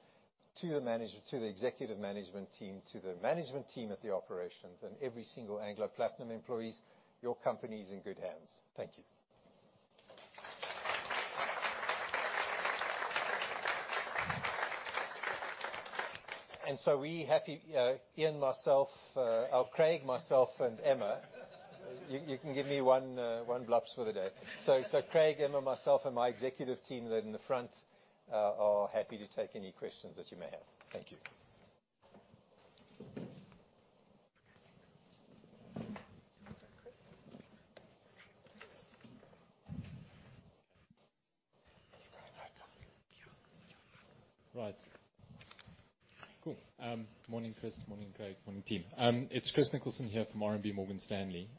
S2: to the executive management team to the management team at the operations and every single Anglo Platinum employee, your company is in good hands. Thank you. We're happy, Craig, myself, and Emma. You can give me one props for the day. Craig, Emma, myself, and my executive team there in the front are happy to take any questions that you may have. Thank you.
S4: Chris. You go, no, go.
S2: Yeah. You.
S4: Right. Cool. Morning, Chris. Morning, Craig. Morning, team. It's Chris Nicholson here from RMB Morgan Stanley.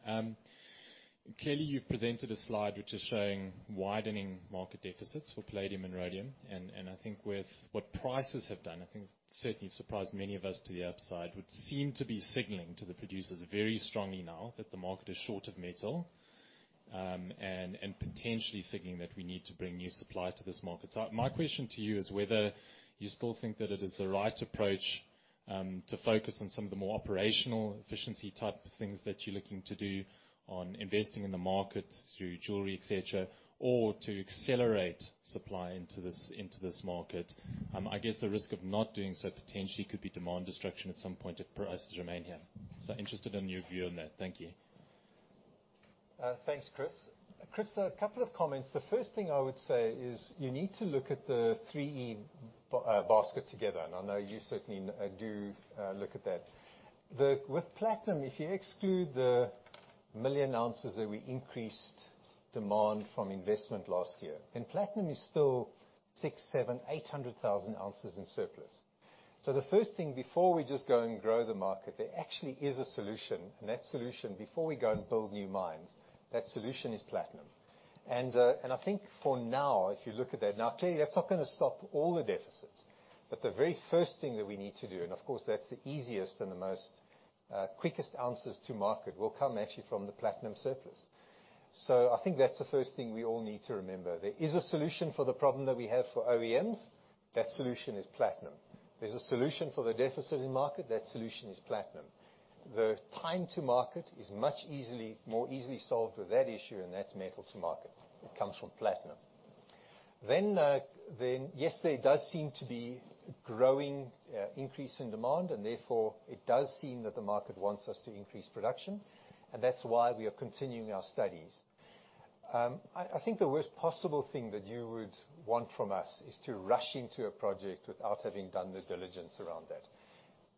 S4: Clearly, you've presented a slide which is showing widening market deficits for palladium and rhodium. I think with what prices have done, I think certainly surprised many of us to the upside, would seem to be signaling to the producers very strongly now that the market is short of metal, and potentially signaling that we need to bring new supply to this market. My question to you is whether you still think that it is the right approach, to focus on some of the more operational efficiency type of things that you're looking to do on investing in the market through jewelry, et cetera, or to accelerate supply into this market. I guess the risk of not doing so potentially could be demand destruction at some point if prices remain here. Interested in your view on that. Thank you.
S2: Thanks, Chris. Chris, a couple of comments. The 1st thing I would say is you need to look at the 3E basket together. I know you certainly do look at that. With platinum, if you exclude the million ounces that we increased demand from investment last year, platinum is still six, seven, 800,000 ounces in surplus. The first thing before we just go and grow the market, there actually is a solution. That solution, before we go and build new mines, that solution is platinum. I think for now, if you look at that. Clearly, that's not going to stop all the deficits, the very first thing that we need to do, of course, that's the easiest and the most quickest ounces to market, will come actually from the platinum surplus. I think that's the first thing we all need to remember. There is a solution for the problem that we have for OEMs. That solution is platinum. There's a solution for the deficit in market. That solution is platinum. The time to market is much more easily solved with that issue, and that's metal to market. It comes from platinum. Yes, there does seem to be growing increase in demand, and therefore, it does seem that the market wants us to increase production, and that's why we are continuing our studies. I think the worst possible thing that you would want from us is to rush into a project without having done the diligence around that.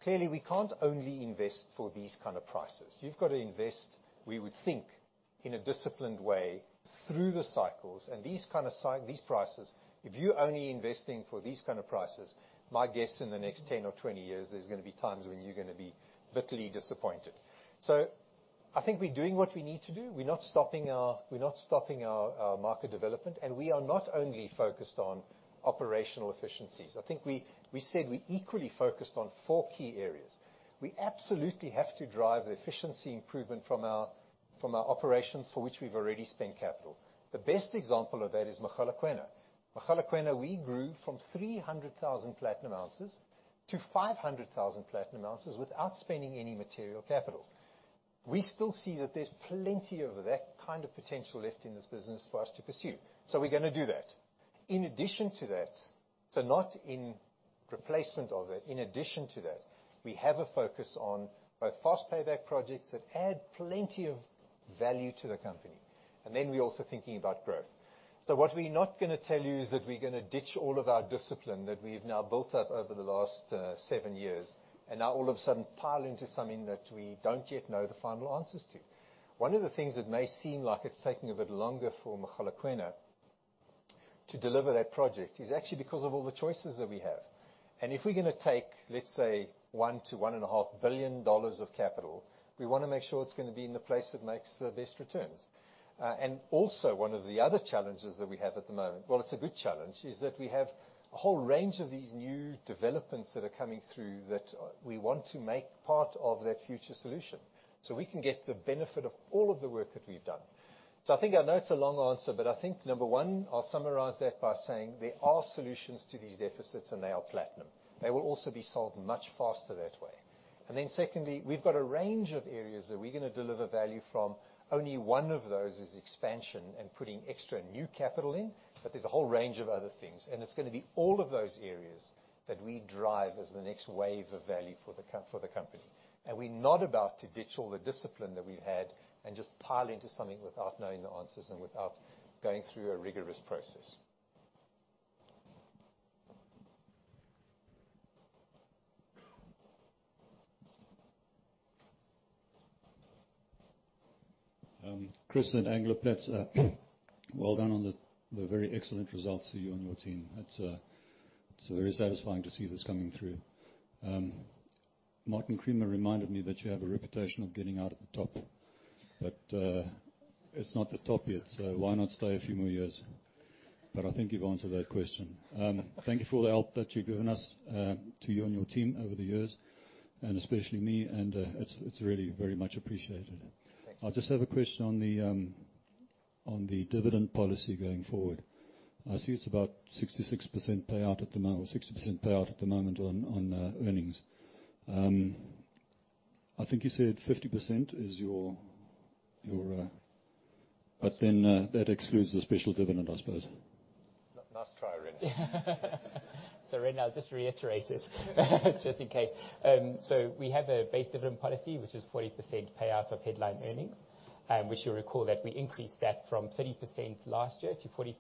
S2: Clearly, we can't only invest for these kind of prices. You've got to invest, we would think, in a disciplined way through the cycles. These prices, if you're only investing for these kind of prices, my guess in the next 10 or 20 years, there's going to be times when you're going to be bitterly disappointed. I think we're doing what we need to do. We're not stopping our market development, and we are not only focused on operational efficiencies. I think we said we're equally focused on four key areas. We absolutely have to drive efficiency improvement from our operations for which we've already spent capital. The best example of that is Mogalakwena. Mogalakwena, we grew from 300,000 platinum ounces to 500,000 platinum ounces without spending any material capital. We still see that there's plenty of that kind of potential left in this business for us to pursue. We're going to do that. In addition to that, so not in replacement of it, in addition to that, we have a focus on both fast payback projects that add plenty of value to the company. We're also thinking about growth. What we're not going to tell you is that we're going to ditch all of our discipline that we've now built up over the last seven years, and now all of a sudden pile into something that we don't yet know the final answers to. One of the things that may seem like it's taking a bit longer for Mogalakwena to deliver that project is actually because of all the choices that we have. If we're going to take, let's say, ZAR 1 billion-ZAR 1.5 billion of capital, we want to make sure it's going to be in the place that makes the best returns. One of the other challenges that we have at the moment, well, it's a good challenge, is that we have a whole range of these new developments that are coming through that we want to make part of that future solution so we can get the benefit of all of the work that we've done. I know it's a long answer, but I think, number one, I'll summarize that by saying there are solutions to these deficits, and they are platinum. They will also be solved much faster that way. Secondly, we've got a range of areas that we're going to deliver value from. Only one of those is expansion and putting extra new capital in. There's a whole range of other things, and it's going to be all of those areas that we drive as the next wave of value for the company. We're not about to ditch all the discipline that we've had and just pile into something without knowing the answers and without going through a rigorous process.
S5: Chris at Anglo Plat. Well done on the very excellent results to you and your team. It's very satisfying to see this coming through. Martin Creamer reminded me that you have a reputation of getting out at the top. It's not the top yet, so why not stay a few more years? I think you've answered that question. Thank you for all the help that you've given us, to you and your team over the years, and especially me, and it's really very much appreciated. I just have a question on the dividend policy going forward. I see it's about 66% payout at the moment, or 60% payout at the moment on earnings. I think you said 50%. That excludes the special dividend, I suppose.
S3: Rene, I'll just reiterate it, just in case. We have a base dividend policy, which is 40% payout of headline earnings. You'll recall that we increased that from 30% last year to 40%.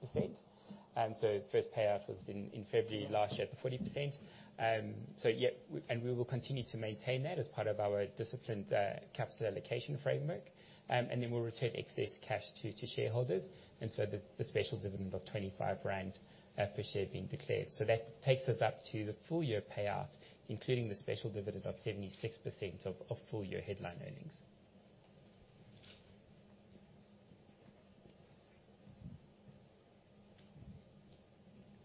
S3: The first payout was in February last year at the 40%. We will continue to maintain that as part of our disciplined capital allocation framework. We'll return excess cash to shareholders, the special dividend of 25 rand per share being declared. That takes us up to the full year payout, including the special dividend of 76% of full-year headline earnings.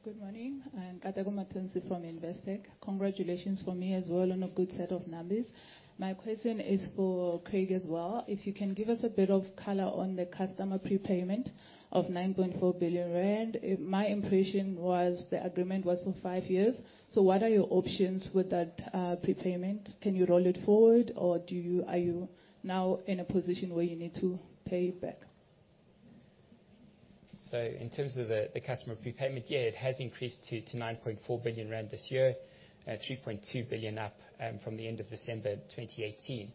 S6: Good morning. I'm Nkateko Mathonsi from Investec. Congratulations from me as well on a good set of numbers. My question is for Craig as well. If you can give us a bit of color on the customer prepayment of 9.4 billion rand. My impression was the agreement was for five years. What are your options with that prepayment? Can you roll it forward, or are you now in a position where you need to pay it back?
S3: In terms of the customer prepayment, yeah, it has increased to 9.4 billion rand this year, 3.2 billion up from the end of December 2018.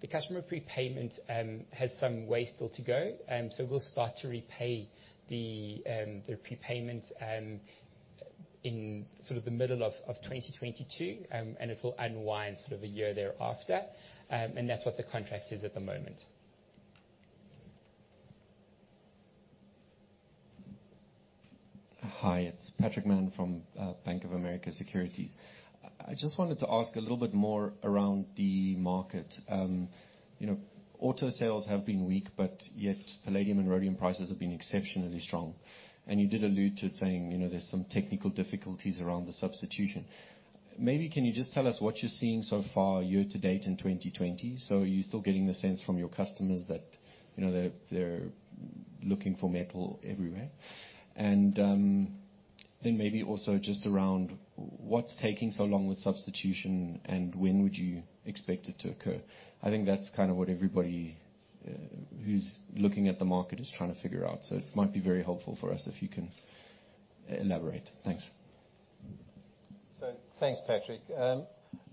S3: The customer prepayment has some way still to go. We'll start to repay the prepayment in the middle of 2022, and it will unwind a year thereafter. That's what the contract is at the moment.
S7: Hi, it's Patrick Mann from Bank of America Securities. I just wanted to ask a little bit more around the market. Auto sales have been weak, but yet palladium and rhodium prices have been exceptionally strong. You did allude to it saying there's some technical difficulties around the substitution. Maybe can you just tell us what you're seeing so far year to date in 2020? Are you still getting the sense from your customers that they're looking for metal everywhere? Maybe also just around what's taking so long with substitution, and when would you expect it to occur? I think that's kind of what everybody who's looking at the market is trying to figure out. It might be very helpful for us if you can elaborate. Thanks.
S2: Thanks, Patrick.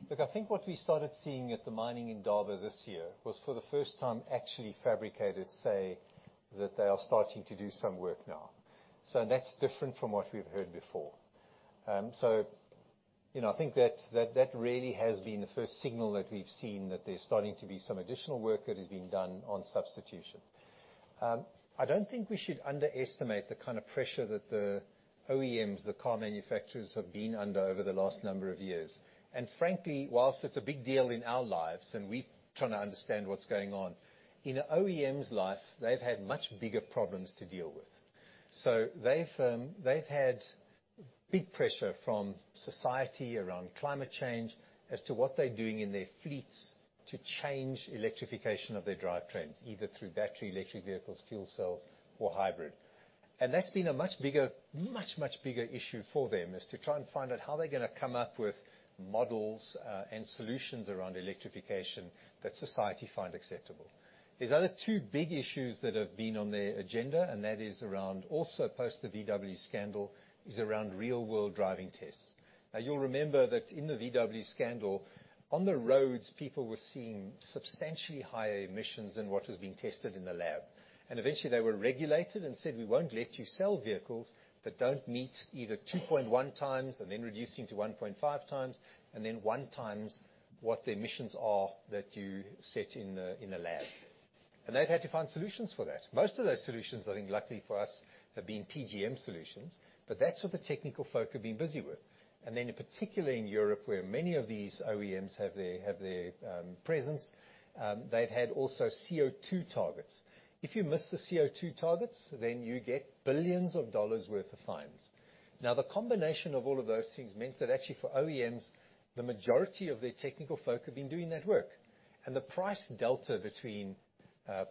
S2: Look, I think what we started seeing at the Mining Indaba this year was for the first time, actually, fabricators say that they are starting to do some work now. That's different from what we've heard before. I think that really has been the first signal that we've seen that there's starting to be some additional work that is being done on substitution. I don't think we should underestimate the kind of pressure that the OEMs, the car manufacturers, have been under over the last number of years. Frankly, whilst it's a big deal in our lives and we're trying to understand what's going on, in an OEM's life, they've had much bigger problems to deal with. They've had big pressure from society around climate change as to what they're doing in their fleets to change electrification of their drivetrains, either through battery, electric vehicles, fuel cells, or hybrid. That's been a much, much bigger issue for them, is to try and find out how they're gonna come up with models and solutions around electrification that society find acceptable. There's other two big issues that have been on their agenda, and that is around also post the VW scandal, is around real-world driving tests. Now you'll remember that in the VW scandal, on the roads, people were seeing substantially higher emissions than what was being tested in the lab. Eventually they were regulated and said, "We won't let you sell vehicles that don't meet either 2.1x," then reducing to 1.5x, and then 1x what the emissions are that you set in a lab. They've had to find solutions for that. Most of those solutions, I think luckily for us, have been PGM solutions, but that's what the technical folk have been busy with. Then in particular in Europe, where many of these OEMs have their presence, they've had also CO2 targets. If you miss the CO2 targets, then you get $ billions worth of fines. The combination of all of those things meant that actually for OEMs, the majority of their technical folk have been doing that work. The price delta between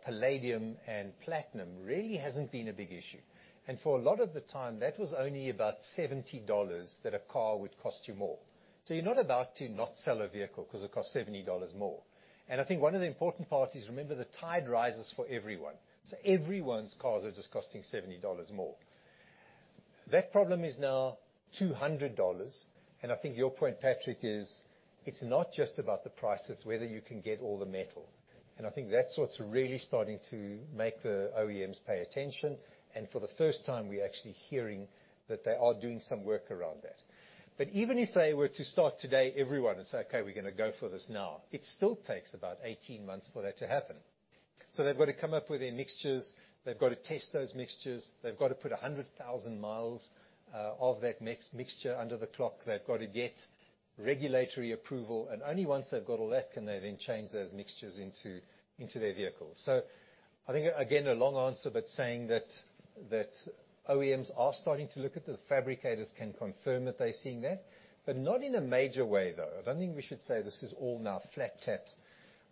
S2: palladium and platinum really hasn't been a big issue. For a lot of the time, that was only about $70 that a car would cost you more. You're not about to not sell a vehicle because it costs $70 more. I think one of the important parts is, remember, the tide rises for everyone. Everyone's cars are just costing $70 more. That problem is now $200, and I think your point, Patrick, is it's not just about the prices, it's whether you can get all the metal. I think that's what's really starting to make the OEMs pay attention. For the first time, we're actually hearing that they are doing some work around that. Even if they were to start today, everyone, and say, "Okay, we're gonna go for this now," it still takes about 18 months for that to happen. They've got to come up with their mixtures. They've got to test those mixtures. They've got to put 100,000 mi of that mixture under the clock. They've got to get regulatory approval. Only once they've got all that can they then change those mixtures into their vehicles. I think, again, a long answer, but saying that OEMs are starting to look at the fabricators can confirm that they're seeing that, but not in a major way, though. I don't think we should say this is all now flat taps.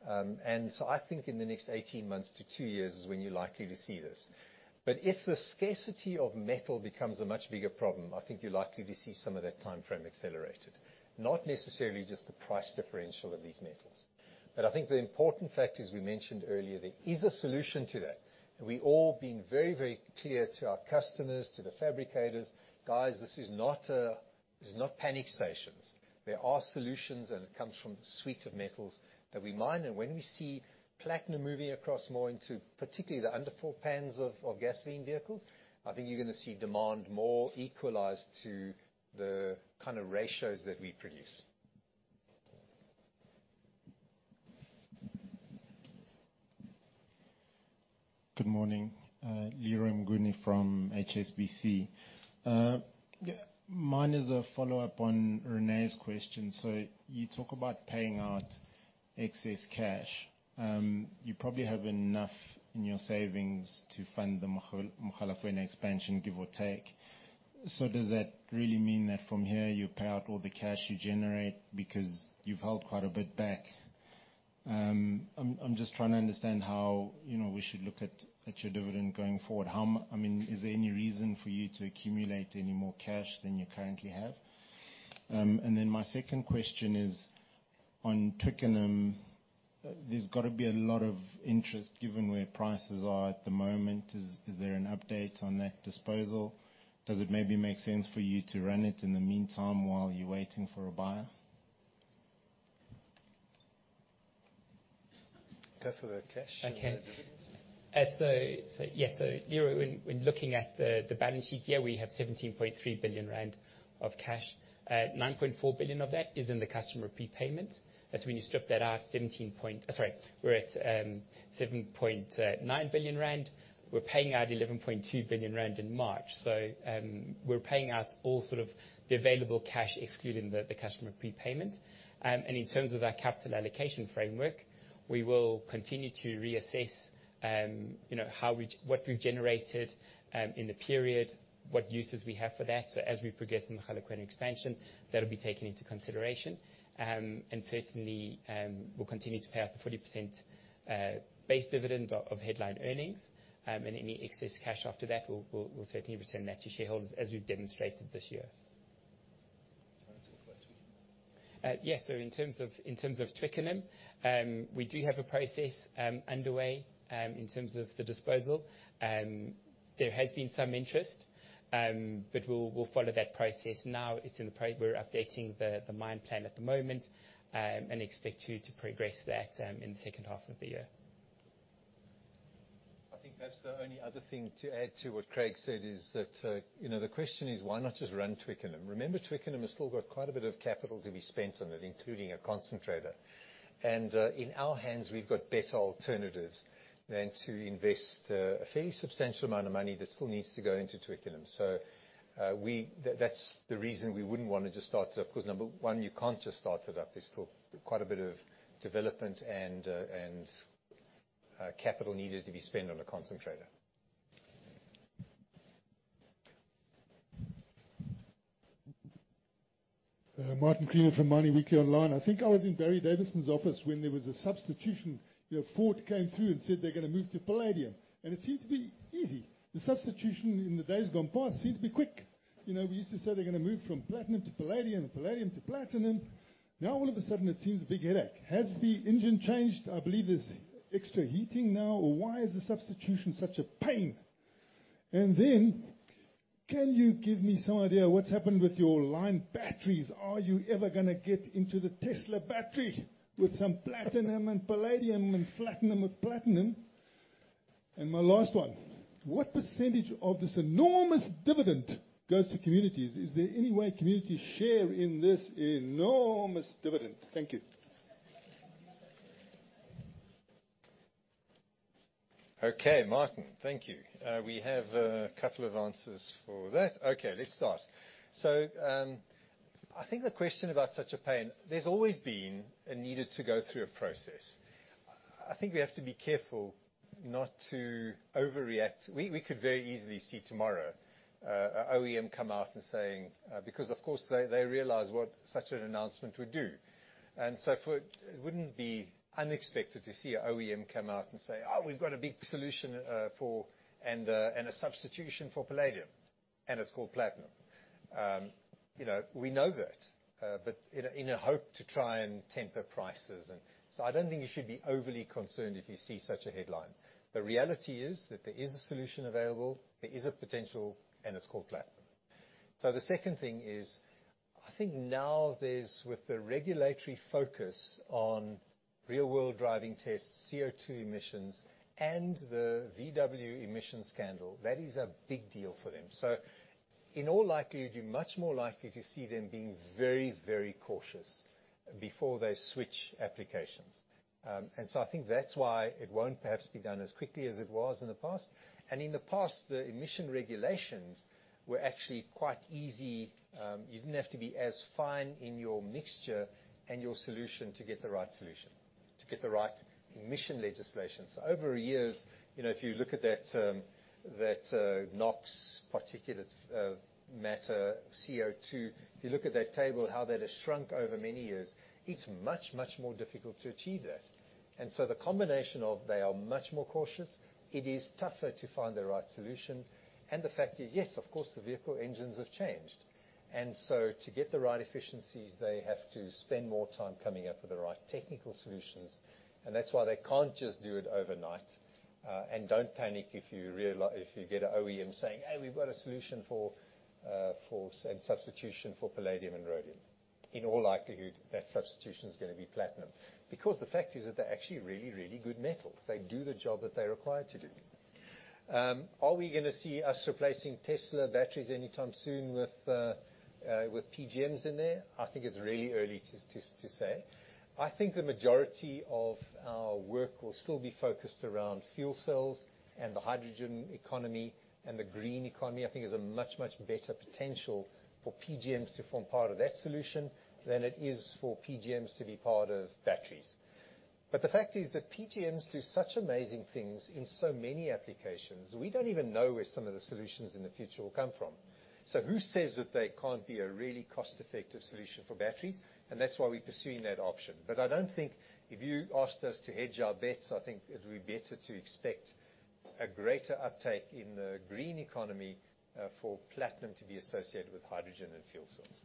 S2: I think in the next 18 months to two years is when you're likely to see this. If the scarcity of metal becomes a much bigger problem, I think you're likely to see some of that timeframe accelerated, not necessarily just the price differential of these metals. I think the important fact is we mentioned earlier there is a solution to that. We all being very clear to our customers, to the fabricators, "Guys, this is not panic stations." There are solutions, and it comes from the suite of metals that we mine. When we see platinum moving across more into particularly the underpans of gasoline vehicles, I think you're going to see demand more equalized to the kind of ratios that we produce.
S8: Good morning. Leroy Mnguni from HSBC. Mine is a follow-up on Rene's question. You talk about paying out excess cash. You probably have enough in your savings to fund the Mogalakwena expansion, give or take. Does that really mean that from here you pay out all the cash you generate because you've held quite a bit back? I'm just trying to understand how we should look at your dividend going forward. Is there any reason for you to accumulate any more cash than you currently have? My 2nd question is on Twickenham. There's got to be a lot of interest given where prices are at the moment. Is there an update on that disposal? Does it maybe make sense for you to run it in the meantime while you're waiting for a buyer?
S2: Go for the cash.
S3: Okay. Yes. Leroy, when looking at the balance sheet, we have 17.3 billion rand of cash. 9.4 billion of that is in the customer prepayment. That's when you strip that out, we're at 7.9 billion rand. We're paying out 11.2 billion rand in March. We're paying out all sort of the available cash excluding the customer prepayment. In terms of our capital allocation framework, we will continue to reassess what we've generated in the period, what uses we have for that. As we progress in Mogalakwena expansion, that'll be taken into consideration. Certainly, we'll continue to pay out the 40% base dividend of headline earnings. Any excess cash after that, we'll certainly return that to shareholders as we've demonstrated this year.
S2: Do you want to talk about Twickenham?
S3: In terms of Twickenham, we do have a process underway, in terms of the disposal. There has been some interest, we'll follow that process. We're updating the mine plan at the moment, and expect to progress that, in the second half of the year.
S2: I think perhaps the only other thing to add to what Craig said is that the question is why not just run Twickenham? Remember, Twickenham has still got quite a bit of capital to be spent on it, including a concentrator. In our hands, we've got better alternatives than to invest a fairly substantial amount of money that still needs to go into Twickenham. That's the reason we wouldn't want to just start it up, because number one, you can't just start it up. There's still quite a bit of development and capital needed to be spent on a concentrator.
S9: Martin Creamer from Mining Weekly Online. I think I was in Barry Davison's office when there was a substitution. Ford came through and said they're going to move to palladium. It seemed to be easy. The substitution in the days gone past seemed to be quick. We used to say they're going to move from platinum to palladium to platinum. All of a sudden, it seems a big headache. Has the engine changed? I believe there's extra heating now. Why is the substitution such a pain? Can you give me some idea what's happened with your Li-ion batteries? Are you ever going to get into the Tesla battery with some platinum and palladium and platinum with platinum? My last one, what percentage of this enormous dividend goes to communities? Is there any way communities share in this enormous dividend? Thank you.
S2: Okay, Martin. Thank you. We have a couple of answers for that. Okay, let's start. I think the question about such a pain, there's always been a needed to go through a process. I think we have to be careful not to overreact. We could very easily see tomorrow, OEM come out and saying, because of course they realize what such an announcement would do. It wouldn't be unexpected to see an OEM come out and say, "Oh, we've got a big solution and a substitution for palladium, and it's called platinum." We know that. In a hope to try and temper prices I don't think you should be overly concerned if you see such a headline. The reality is that there is a solution available, there is a potential, and it's called platinum. The 2nd thing is, I think now with the regulatory focus on real-world driving tests, CO2 emissions, and the VW emissions scandal, that is a big deal for them. In all likelihood, you're much more likely to see them being very, very cautious before they switch applications. I think that's why it won't perhaps be done as quickly as it was in the past. In the past, the emission regulations were actually quite easy. You didn't have to be as fine in your mixture and your solution to get the right solution, to get the right emission legislation. Over years, if you look at that NOx, particulate matter, CO2, if you look at that table how that has shrunk over many years, it's much, much more difficult to achieve that. The combination of they are much more cautious, it is tougher to find the right solution. The fact is, yes, of course, the vehicle engines have changed. To get the right efficiencies, they have to spend more time coming up with the right technical solutions, and that's why they can't just do it overnight. Don't panic if you get an OEM saying, "Hey, we've got a solution for substitution for palladium and rhodium." In all likelihood, that substitution is going to be platinum. Because the fact is that they're actually really, really good metals. They do the job that they're required to do. Are we going to see us replacing Tesla batteries anytime soon with PGMs in there? I think it's really early to say. I think the majority of our work will still be focused around fuel cells and the hydrogen economy. The green economy, I think, is a much, much better potential for PGMs to form part of that solution than it is for PGMs to be part of batteries. The fact is that PGMs do such amazing things in so many applications. We don't even know where some of the solutions in the future will come from. Who says that they can't be a really cost-effective solution for batteries? That's why we're pursuing that option. I don't think if you asked us to hedge our bets, I think it would be better to expect a greater uptake in the green economy for platinum to be associated with hydrogen and fuel cells.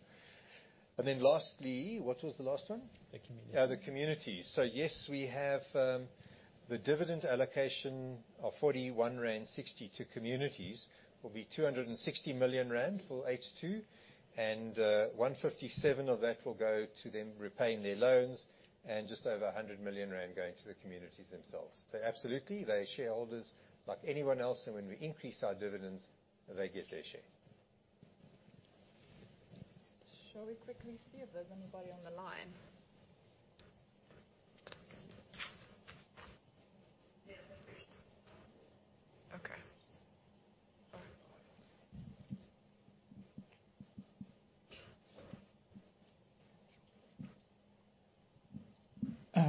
S2: Lastly, what was the last one?
S3: The community.
S2: Yeah, the community. Yes, we have the dividend allocation of 41.60 rand to communities will be 260 million rand for H2, and 157 of that will go to them repaying their loans, and just over 100 million rand going to the communities themselves. Absolutely, they are shareholders like anyone else, and when we increase our dividends, they get their share. Shall we quickly see if there's anybody on the line? Okay.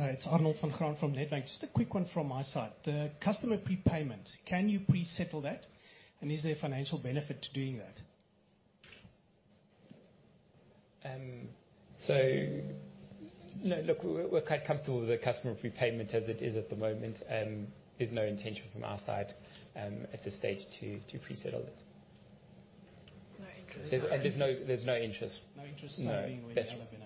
S10: It's Arnold van Graan from Nedbank. Just a quick one from my side. The customer prepayment, can you pre-settle that? Is there a financial benefit to doing that?
S3: No. Look, we're quite comfortable with the customer prepayment as it is at the moment. There's no intention from our side, at this stage, to pre-settle it.
S2: No interest.
S3: There's no interest.
S10: No interest.
S3: No.
S10: There'll be no benefit.
S3: Correct.
S10: Thanks.
S2: We make a bit of money on the interest, because the interest costs us. Are we done?
S1: Sorry. Is anyone Okay. If there are no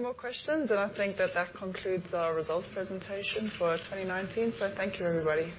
S1: more questions, I think that concludes our results presentation for 2019. Thank you, everybody.